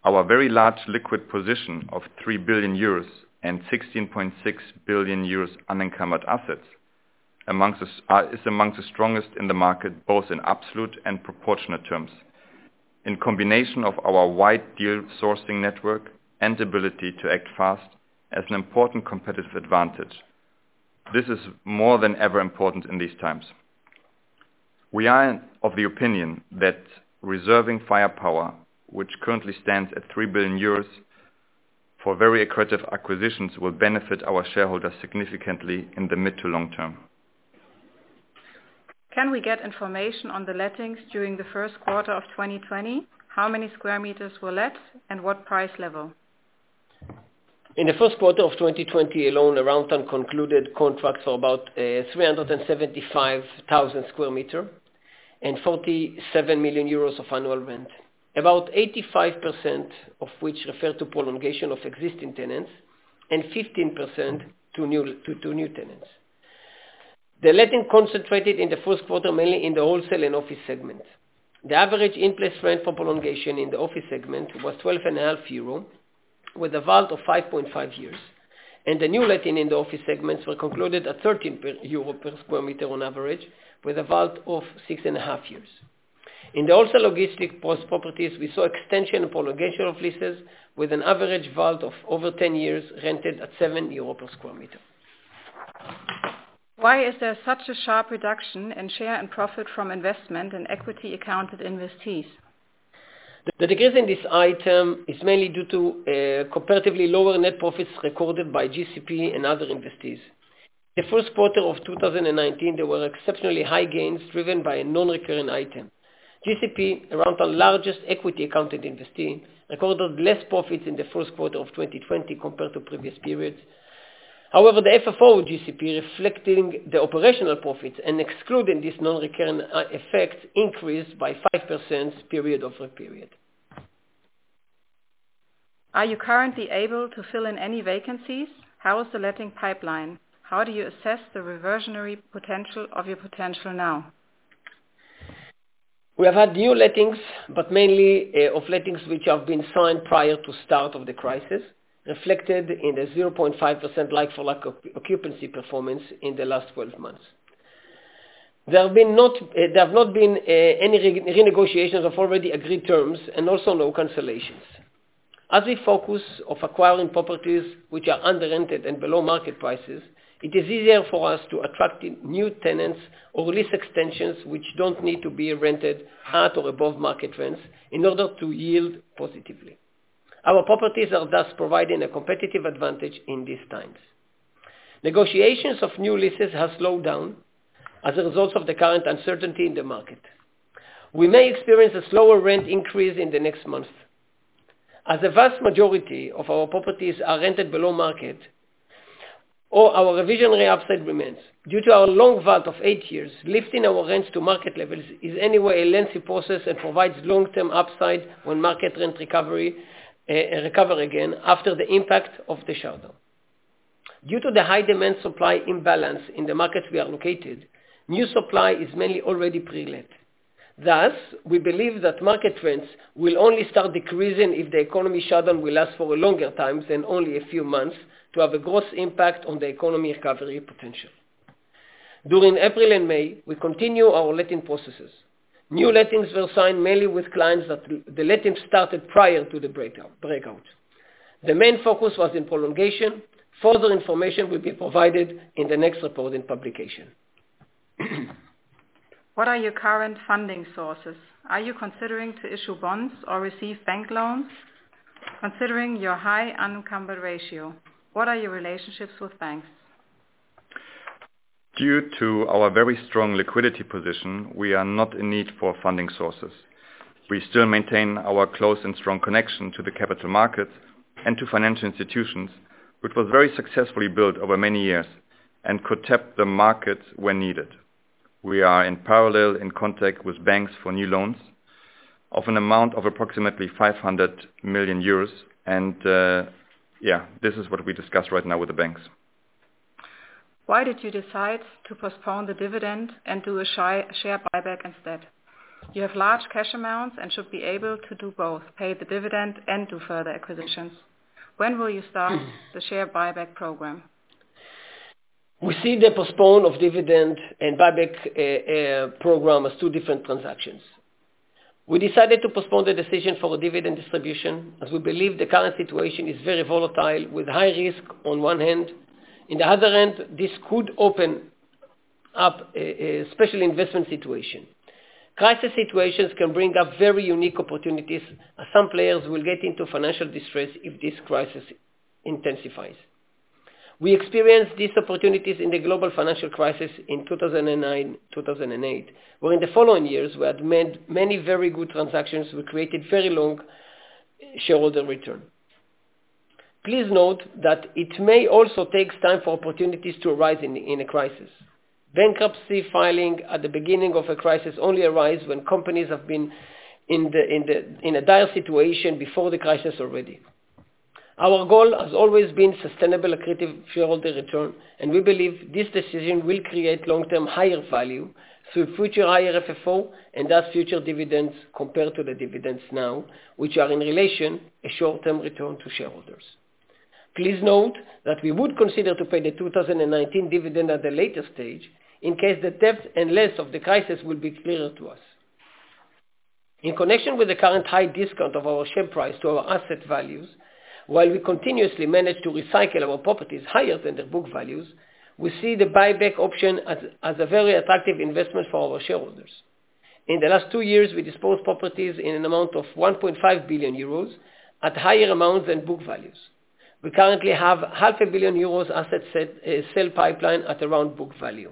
Our very large liquid position of 3 billion euros and 16.6 billion euros unencumbered assets, among us, is among the strongest in the market, both in absolute and proportionate terms. In combination of our wide deal sourcing network and ability to act fast, as an important competitive advantage. This is more than ever important in these times. We are of the opinion that reserving firepower, which currently stands at 3 billion euros, for very accretive acquisitions, will benefit our shareholders significantly in the mid to long term. Can we get information on the lettings during the first quarter of 2020? How many square meters were let, and what price level? In the first quarter of 2020 alone, Aroundtown concluded contracts for about 375,000 sq m and 47 million euros of annual rent. About 85% of which refer to prolongation of existing tenants, and 15% to new tenants. The letting concentrated in the first quarter, mainly in the wholesale and office segment. The average in-place rent for prolongation in the office segment was 12.5 euro, with a WALT of 5.5 years. The new letting in the office segment was concluded at 13 euro per sq m on average, with a WALT of 6.5 years. In the wholesale logistics properties, we saw extension and prolongation of leases with an average WALT of over 10 years, rented at 7 euro per sq m. Why is there such a sharp reduction in share of profit from investments and equity-accounted investees? The decrease in this item is mainly due to, comparatively lower net profits recorded by GCP and other investees. The first quarter of 2019, there were exceptionally high gains driven by a non-recurring item. GCP, around the largest equity accounted investee, recorded less profits in the first quarter of 2020 compared to previous periods. However, the FFO GCP, reflecting the operational profits and excluding this non-recurring, effect, increased by 5% period-over-period. Are you currently able to fill in any vacancies? How is the letting pipeline? How do you assess the reversionary potential of your portfolio now? We have had new lettings, but mainly of lettings which have been signed prior to start of the crisis, reflected in the 0.5% like-for-like occupancy performance in the last 12 months. There have not been any renegotiations of already agreed terms and also no cancellations. As we focus on acquiring properties which are under-rented and below market prices, it is easier for us to attract in new tenants or lease extensions, which don't need to be rented at or above market rents in order to yield positively. Our properties are thus providing a competitive advantage in these times. Negotiations of new leases have slowed down as a result of the current uncertainty in the market. We may experience a slower rent increase in the next month. As the vast majority of our properties are rented below market, so our reversionary upside remains. Due to our long WALT of eight years, lifting our rents to market levels is anyway a lengthy process and provides long-term upside when market rent recovery recover again after the impact of the shutdown. Due to the high demand supply imbalance in the markets we are located, new supply is mainly already pre-let. Thus, we believe that market rents will only start decreasing if the economy shutdown will last for a longer time than only a few months, to have a gross impact on the economy recovery potential. During April and May, we continue our letting processes. New lettings were signed mainly with clients that the letting started prior to the breakout. The main focus was in prolongation. Further information will be provided in the next reporting publication. What are your current funding sources? Are you considering to issue bonds or receive bank loans, considering your high unencumbered ratio? What are your relationships with banks? Due to our very strong liquidity position, we are not in need for funding sources. We still maintain our close and strong connection to the capital markets and to financial institutions, which was very successfully built over many years and could tap the markets when needed. We are in parallel in contact with banks for new loans of an amount of approximately 500 million euros, and this is what we discuss right now with the banks. Why did you decide to postpone the dividend and do a share buyback instead? You have large cash amounts and should be able to do both, pay the dividend and do further acquisitions. When will you start the share buyback program? We see the postpone of dividend and buyback program as two different transactions. We decided to postpone the decision for a dividend distribution, as we believe the current situation is very volatile, with high risk on one hand. On the other hand, this could open up a special investment situation. Crisis situations can bring up very unique opportunities, as some players will get into financial distress if this crisis intensifies. We experienced these opportunities in the global financial crisis in 2009, 2008, where in the following years, we had made many very good transactions. We created very long shareholder return. Please note that it may also take time for opportunities to arise in a crisis. Bankruptcy filing at the beginning of a crisis only arise when companies have been in a dire situation before the crisis already. Our goal has always been sustainable, accretive shareholder return, and we believe this decision will create long-term higher value through future higher FFO, and thus future dividends compared to the dividends now, which are in relation, a short-term return to shareholders. Please note that we would consider to pay the 2019 dividend at a later stage, in case the depth and length of the crisis will be clearer to us. In connection with the current high discount of our share price to our asset values, while we continuously manage to recycle our properties higher than their book values, we see the buyback option as a very attractive investment for our shareholders. In the last two years, we disposed properties in an amount of 1.5 billion euros, at higher amounts than book values. We currently have 500 million euros asset set, sale pipeline at around book value.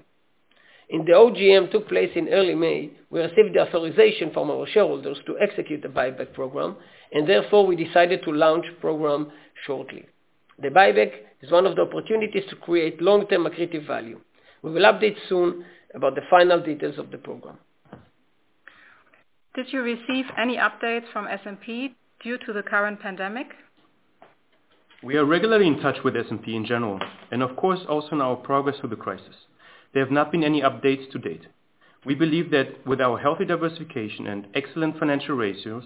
In the OGM, took place in early May, we received the authorization from our shareholders to execute the buyback program, and therefore we decided to launch program shortly. The buyback is one of the opportunities to create long-term accretive value. We will update soon about the final details of the program. Did you receive any updates from S&P due to the current pandemic? We are regularly in touch with S&P in general, and of course, also in our progress through the crisis. There have not been any updates to date. We believe that with our healthy diversification and excellent financial ratios,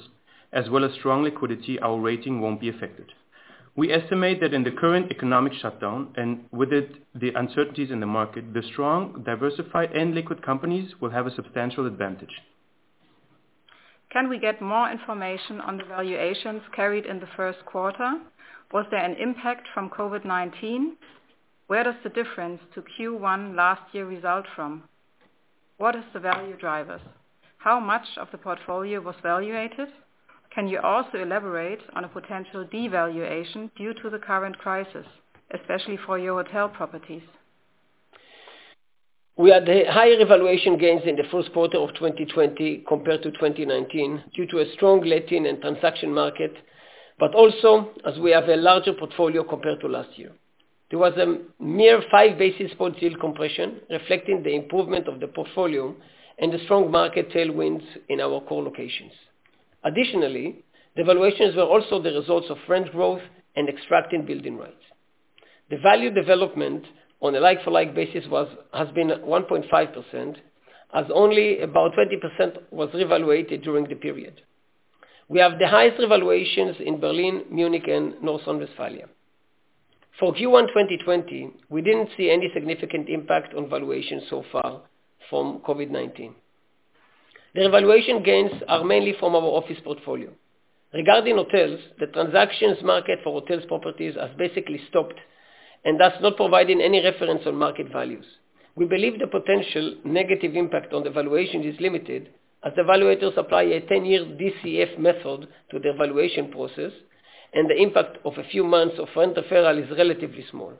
as well as strong liquidity, our rating won't be affected. We estimate that in the current economic shutdown, and with it, the uncertainties in the market, the strong, diversified, and liquid companies will have a substantial advantage. Can we get more information on the valuations carried in the first quarter? Was there an impact from COVID-19? Where does the difference to Q1 last year result from? What is the value drivers? How much of the portfolio was valuated? Can you also elaborate on a potential devaluation due to the current crisis, especially for your hotel properties? We had the higher valuation gains in the first quarter of 2020 compared to 2019, due to a strong letting and transaction market, but also as we have a larger portfolio compared to last year. There was a mere 5 basis points yield compression, reflecting the improvement of the portfolio, and the strong market tailwinds in our core locations. Additionally, the valuations were also the result of rent growth and indexing building rents. The value development on a like-for-like basis was, has been 1.5%, as only about 20% was revalued during the period. We have the highest revaluations in Berlin, Munich, and North Rhine-Westphalia. For Q1 2020, we didn't see any significant impact on valuation so far from COVID-19. The valuation gains are mainly from our office portfolio. Regarding hotels, the transactions market for hotel properties has basically stopped, and thus not providing any reference on market values. We believe the potential negative impact on the valuation is limited, as the evaluators apply a 10-year DCF method to the evaluation process, and the impact of a few months of rent deferral is relatively small.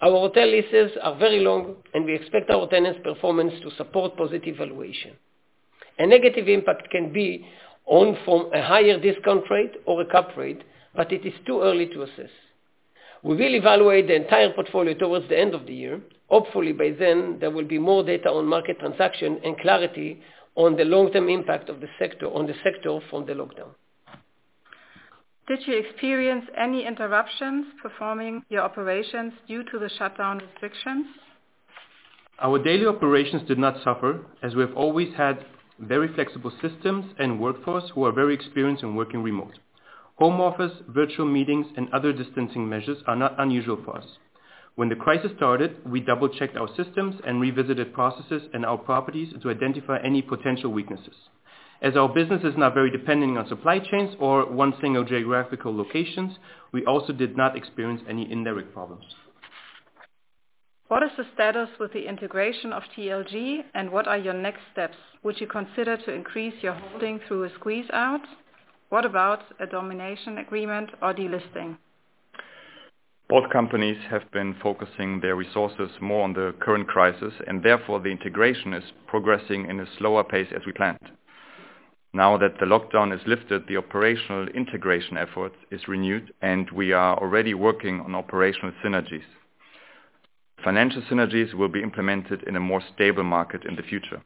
Our hotel leases are very long, and we expect our tenants' performance to support positive valuation. A negative impact can be found from a higher discount rate or a cap rate, but it is too early to assess. We will evaluate the entire portfolio towards the end of the year. Hopefully, by then there will be more data on market transactions and clarity on the long-term impact of the sector, on the sector from the lockdown. Did you experience any interruptions performing your operations due to the shutdown restrictions? Our daily operations did not suffer, as we have always had very flexible systems and workforce who are very experienced in working remote. Home office, virtual meetings, and other distancing measures are not unusual for us. When the crisis started, we double-checked our systems and revisited processes and our properties to identify any potential weaknesses. As our business is not very dependent on supply chains or one single geographical locations, we also did not experience any indirect problems. What is the status with the integration of TLG, and what are your next steps? Would you consider to increase your holding through a squeeze out? What about a domination agreement or delisting? Both companies have been focusing their resources more on the current crisis, and therefore, the integration is progressing in a slower pace as we planned. Now that the lockdown is lifted, the operational integration effort is renewed, and we are already working on operational synergies. Financial synergies will be implemented in a more stable market in the future.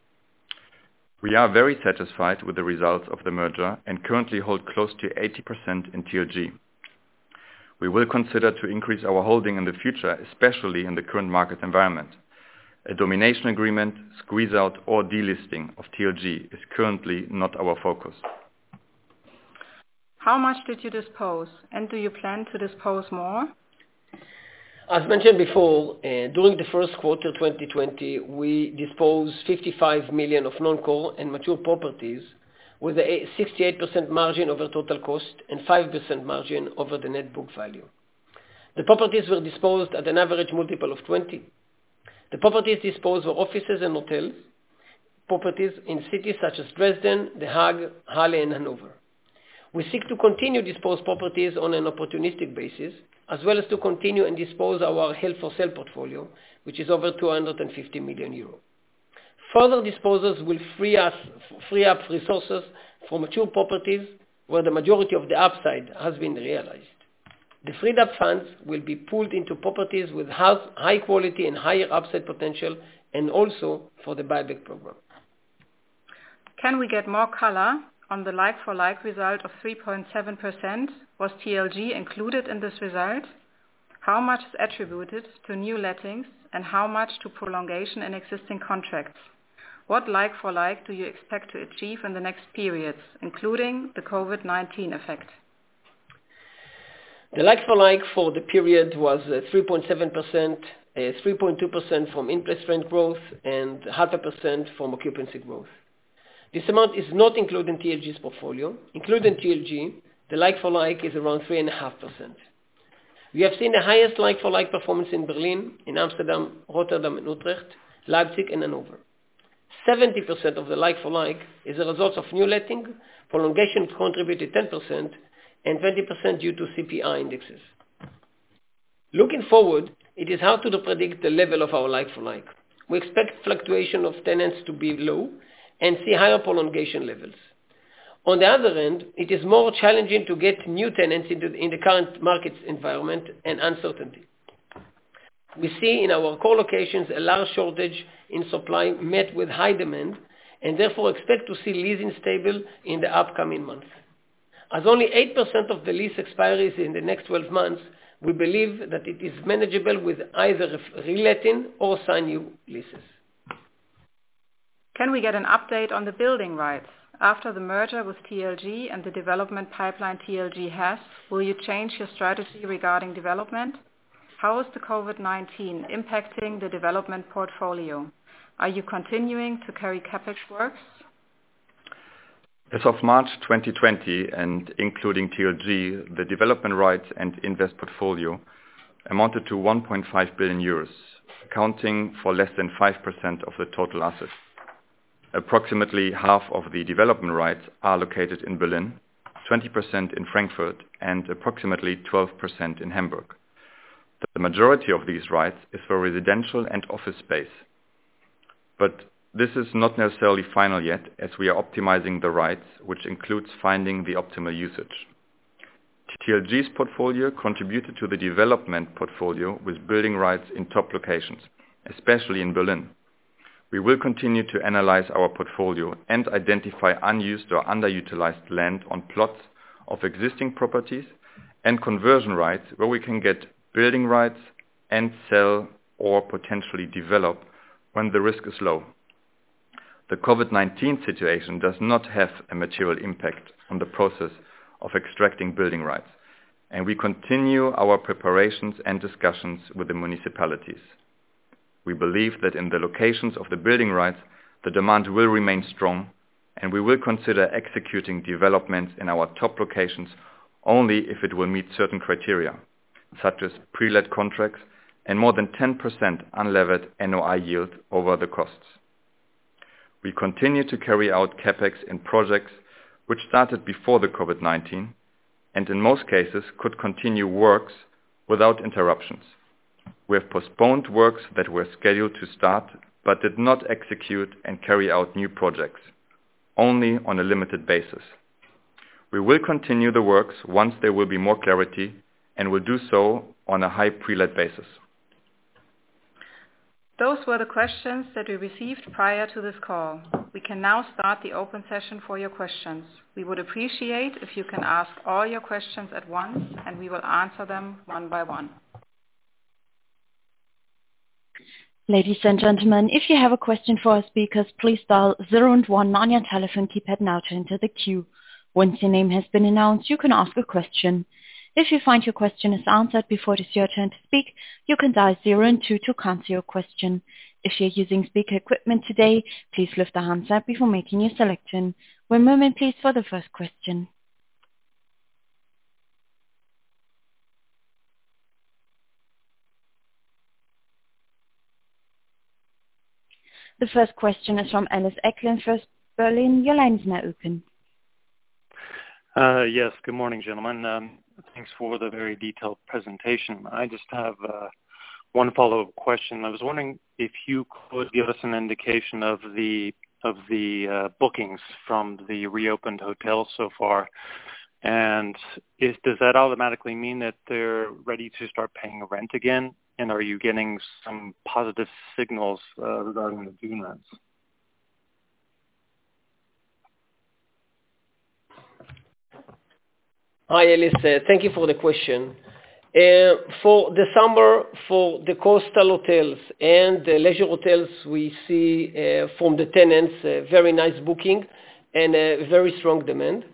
We are very satisfied with the results of the merger, and currently hold close to 80% in TLG. We will consider to increase our holding in the future, especially in the current market environment. A domination agreement, squeeze out, or delisting of TLG is currently not our focus. How much did you dispose, and do you plan to dispose more? As mentioned before, during the first quarter of 2020, we disposed 55 million of non-core and mature properties with an 8.68% margin over total cost and 5% margin over the net book value. The properties were disposed at an average multiple of 20x. The properties disposed were offices and hotels properties in cities such as Dresden, The Hague, Halle, and Hanover. We seek to continue dispose properties on an opportunistic basis, as well as to continue and dispose our held for sale portfolio, which is over 250 million euros. Further disposals will free up resources for mature properties, where the majority of the upside has been realized. The freed up funds will be pooled into properties with high quality and higher upside potential, and also for the buyback program. Can we get more color on the like-for-like result of 3.7%? Was TLG included in this result? How much is attributed to new lettings, and how much to prolongation and existing contracts? What like-for-like do you expect to achieve in the next periods, including the COVID-19 effect? The like-for-like for the period was 3.7%, 3.2% from interest rent growth, and 0.5% from occupancy growth. This amount is not including TLG's portfolio. Including TLG, the like-for-like is around 3.5%. We have seen the highest like-for-like performance in Berlin, in Amsterdam, Rotterdam, and Utrecht, Leipzig, and Hanover. 70% of the like-for-like is a result of new letting, prolongation contributed 10%, and 20% due to CPI indexes. Looking forward, it is hard to predict the level of our like-for-like. We expect fluctuation of tenants to be low and see higher prolongation levels. On the other hand, it is more challenging to get new tenants into, in the current market environment and uncertainty. We see in our core locations a large shortage in supply met with high demand, and therefore expect to see leasing stable in the upcoming months. As only 8% of the lease expires in the next twelve months, we believe that it is manageable with either re-letting or sign new leases. Can we get an update on the building rights? After the merger with TLG and the development pipeline TLG has, will you change your strategy regarding development? How is the COVID-19 impacting the development portfolio? Are you continuing to carry CapEx works? As of March 2020, and including TLG, the development rights and investment portfolio amounted to 1.5 billion euros, accounting for less than 5% of the total assets. Approximately half of the development rights are located in Berlin, 20% in Frankfurt, and approximately 12% in Hamburg. The majority of these rights is for residential and office space. But this is not necessarily final yet, as we are optimizing the rights, which includes finding the optimal usage. TLG's portfolio contributed to the development portfolio with building rights in top locations, especially in Berlin. We will continue to analyze our portfolio and identify unused or underutilized land on plots of existing properties, and conversion rights, where we can get building rights and sell or potentially develop when the risk is low. The COVID-19 situation does not have a material impact on the process of extracting building rights, and we continue our preparations and discussions with the municipalities. We believe that in the locations of the building rights, the demand will remain strong, and we will consider executing developments in our top locations only if it will meet certain criteria, such as pre-let contracts and more than 10% unlevered NOI yield over the costs. We continue to carry out CapEx in projects which started before the COVID-19, and in most cases could continue works without interruptions. We have postponed works that were scheduled to start, but did not execute and carry out new projects, only on a limited basis. We will continue the works once there will be more clarity, and will do so on a high pre-let basis. Those were the questions that we received prior to this call. We can now start the open session for your questions. We would appreciate if you can ask all your questions at once, and we will answer them one by one. Ladies and gentlemen, if you have a question for our speakers, please dial zero and one on your telephone keypad now to enter the queue. Once your name has been announced, you can ask a question. If you find your question is answered before it is your turn to speak, you can dial zero and two to cancel your question. If you're using speaker equipment today, please lift the handset before making your selection. One moment, please, for the first question. The first question is from Ellis Acklin, from Berlin. Your line is now open. Yes. Good morning, gentlemen. Thanks for the very detailed presentation. I just have one follow-up question. I was wondering if you could give us an indication of the bookings from the reopened hotels so far? And is, does that automatically mean that they're ready to start paying rent again? And are you getting some positive signals regarding the demands? Hi, Ellis. Thank you for the question. For the summer, for the coastal hotels and the leisure hotels, we see from the tenants, a very nice booking and very strong demand.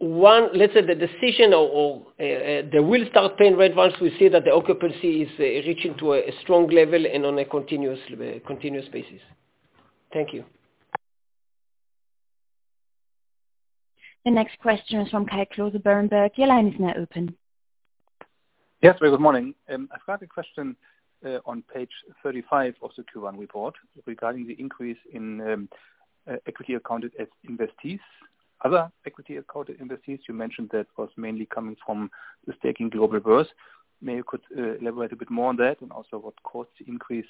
Let's say the decision of they will start paying rent once we see that the occupancy is reaching to a strong level and on a continuous basis. Thank you. The next question is from Kai Klose, Berenberg. Your line is now open. Yes, very good morning. I've got a question on page 35 of the Q1 report, regarding the increase in equity-accounted investees. Other equity-accounted investees, you mentioned that was mainly coming from the stake in Globalworth. Maybe you could elaborate a bit more on that, and also what caused the increase,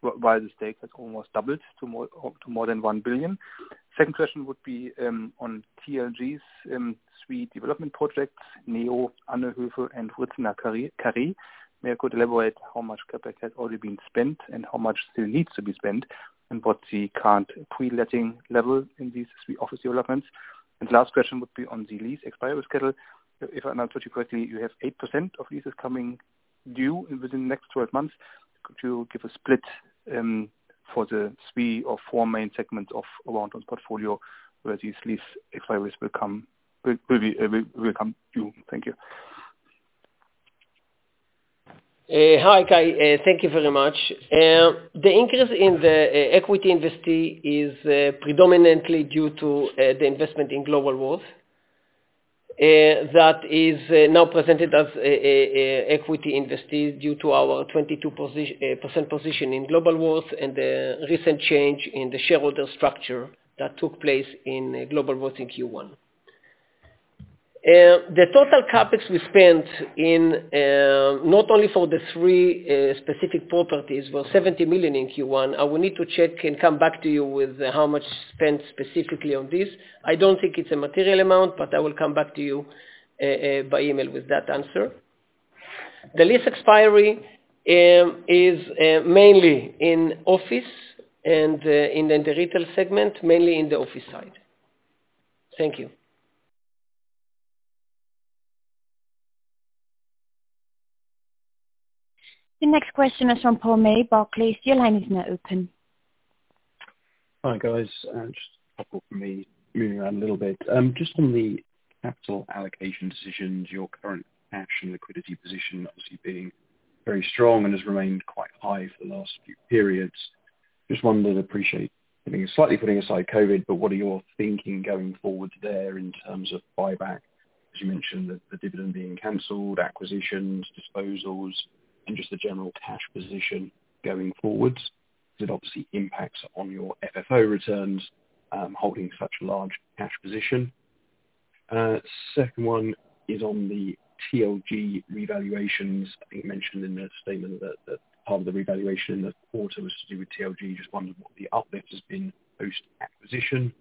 while the stake has almost doubled to more, up to more than 1 billion. Second question would be on TLG's three development projects, NEO, Annenhöfe, and Wriezener Karree. Maybe you could elaborate how much CapEx has already been spent, and how much still needs to be spent, and what the current pre-letting level in these three office developments? And last question would be on the lease expiry schedule. If I understood you correctly, you have 8% of leases coming due within the next twelve months. Could you give a split for the three or four main segments of Aroundtown's portfolio, where these leases will come due? Thank you. Hi, Kai. Thank you very much. The increase in the equity investee is predominantly due to the investment in Globalworth. That is now presented as an equity investee due to our 22% position in Globalworth, and the recent change in the shareholder structure that took place in Globalworth in Q1. The total CapEx we spent in Q1 not only for the three specific properties was 70 million in Q1. I will need to check and come back to you with how much spent specifically on this. I don't think it's a material amount, but I will come back to you by email with that answer. The lease expiry is mainly in office and in the retail segment, mainly in the office side. Thank you. The next question is from Paul May, Barclays. Your line is now open. Hi, guys. Just a couple from me, moving around a little bit. Just on the capital allocation decisions, your current cash and liquidity position obviously being very strong and has remained quite high for the last few periods. Just wondering, appreciate, I think you're slightly putting aside COVID, but what are you thinking going forward there in terms of buyback? As you mentioned, the dividend being canceled, acquisitions, disposals, and just the general cash position going forwards. It obviously impacts on your FFO returns, holding such a large cash position. Second one is on the TLG revaluations. I think you mentioned in the statement that part of the revaluation in the quarter was to do with TLG. Just wondering what the uplift has been post-acquisition.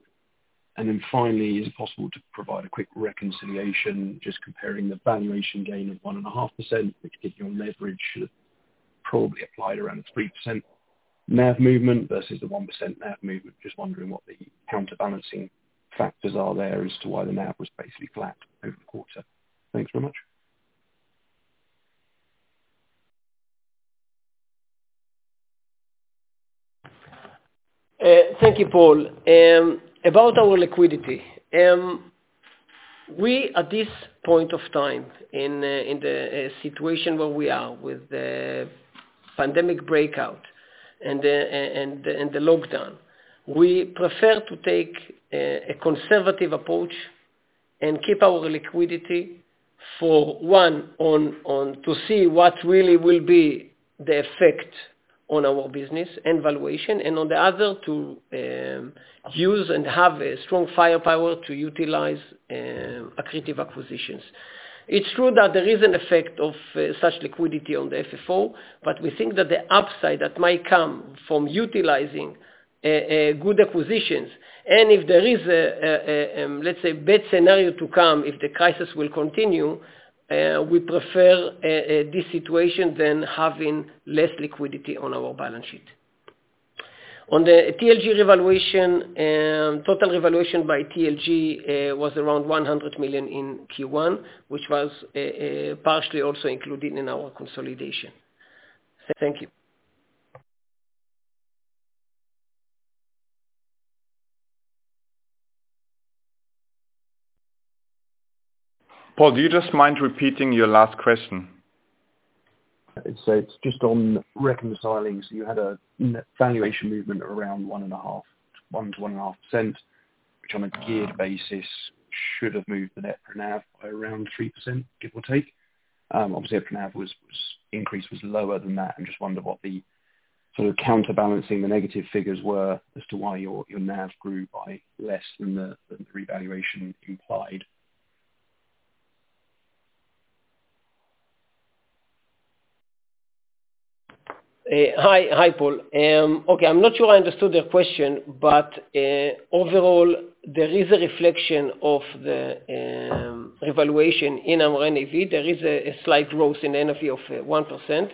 And then finally, is it possible to provide a quick reconciliation, just comparing the valuation gain of 1.5%, which gives you a leverage should have probably applied around a 3% NAV movement versus the 1% NAV movement? Just wondering what the counterbalancing factors are there as to why the NAV was basically flat over the quarter. Thanks very much. Thank you, Paul. About our liquidity, we, at this point of time, in the situation where we are with the pandemic breakout and the lockdown, we prefer to take a conservative approach and keep our liquidity for one, on, on to see what really will be the effect on our business and valuation, and on the other, to use and have a strong firepower to utilize accretive acquisitions. It's true that there is an effect of such liquidity on the FFO, but we think that the upside that might come from utilizing good acquisitions, and if there is a, let's say bad scenario to come, if the crisis will continue, we prefer this situation than having less liquidity on our balance sheet. On the TLG revaluation, total revaluation by TLG was around 100 million in Q1, which was partially also included in our consolidation. Thank you. Paul, do you just mind repeating your last question? I'd say it's just on reconciling, so you had a net valuation movement of around 1.5%, 1%-1.5%, which on a geared basis should have moved the net per NAV by around 3%, give or take. Obviously, our NAV was, was increase was lower than that. I'm just wondering what the sort of counterbalancing the negative figures were as to why your, your NAV grew by less than the, than the revaluation implied? Hi, hi, Paul. Okay, I'm not sure I understood the question, but, overall, there is a reflection of the, revaluation in our NAV. There is a, a slight growth in NAV of, 1%.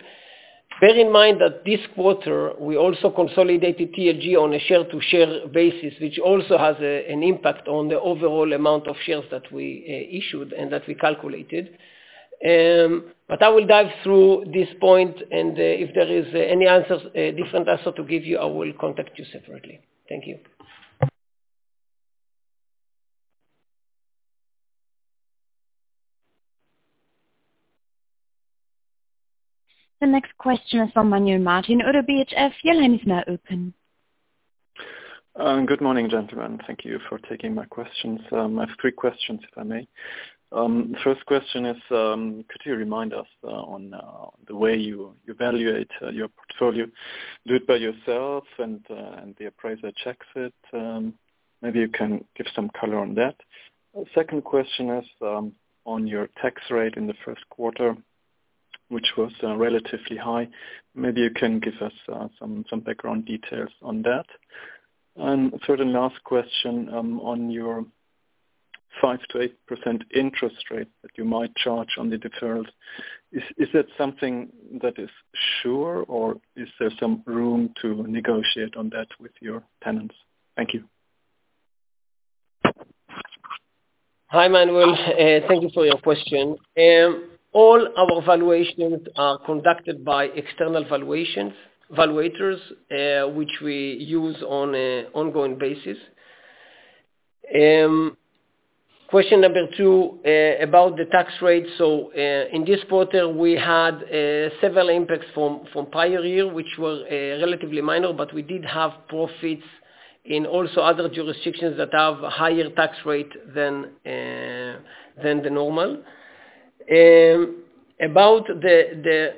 Bear in mind that this quarter, we also consolidated TLG on a share-to-share basis, which also has a, an impact on the overall amount of shares that we, issued and that we calculated. But I will dive through this point, and, if there is, any answers, different answer to give you, I will contact you separately. Thank you.... The next question is from Manuel Martin, ODDO BHF, your line is now open. Good morning, gentlemen. Thank you for taking my questions. I have three questions, if I may. First question is, could you remind us on the way you evaluate your portfolio? Do it by yourself and the appraiser checks it, maybe you can give some color on that. Second question is, on your tax rate in the first quarter, which was relatively high, maybe you can give us some background details on that. And for the last question, on your 5%-8% interest rate that you might charge on the deferrals, is that something that is sure, or is there some room to negotiate on that with your tenants? Thank you. Hi, Manuel, thank you for your question. All our valuations are conducted by external valuations- valuators, which we use on an ongoing basis. Question number two, about the tax rate. In this quarter, we had several impacts from prior year, which was relatively minor, but we did have profits in also other jurisdictions that have a higher tax rate than the normal. About the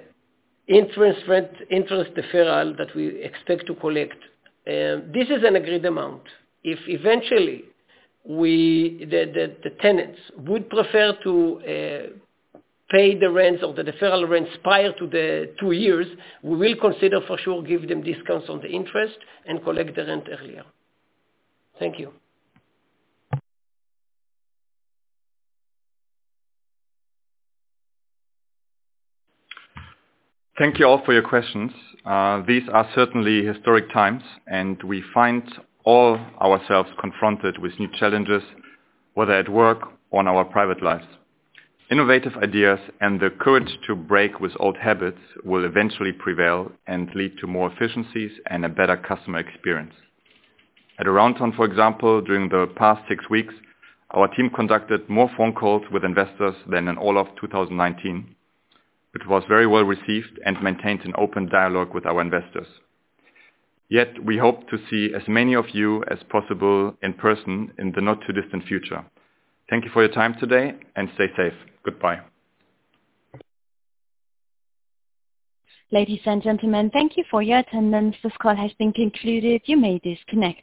interest rate, interest deferral that we expect to collect, this is an agreed amount. If eventually the tenants would prefer to pay the rents or the deferral rents prior to the two years, we will consider for sure give them discounts on the interest and collect the rent earlier. Thank you. Thank you all for your questions. These are certainly historic times, and we find all ourselves confronted with new challenges, whether at work or in our private lives. Innovative ideas and the courage to break with old habits will eventually prevail and lead to more efficiencies and a better customer experience. At Aroundtown, for example, during the past six weeks, our team conducted more phone calls with investors than in all of 2019. It was very well received and maintained an open dialogue with our investors. Yet, we hope to see as many of you as possible in person in the not-too-distant future. Thank you for your time today, and stay safe. Goodbye. Ladies and gentlemen, thank you for your attendance. This call has been concluded. You may disconnect.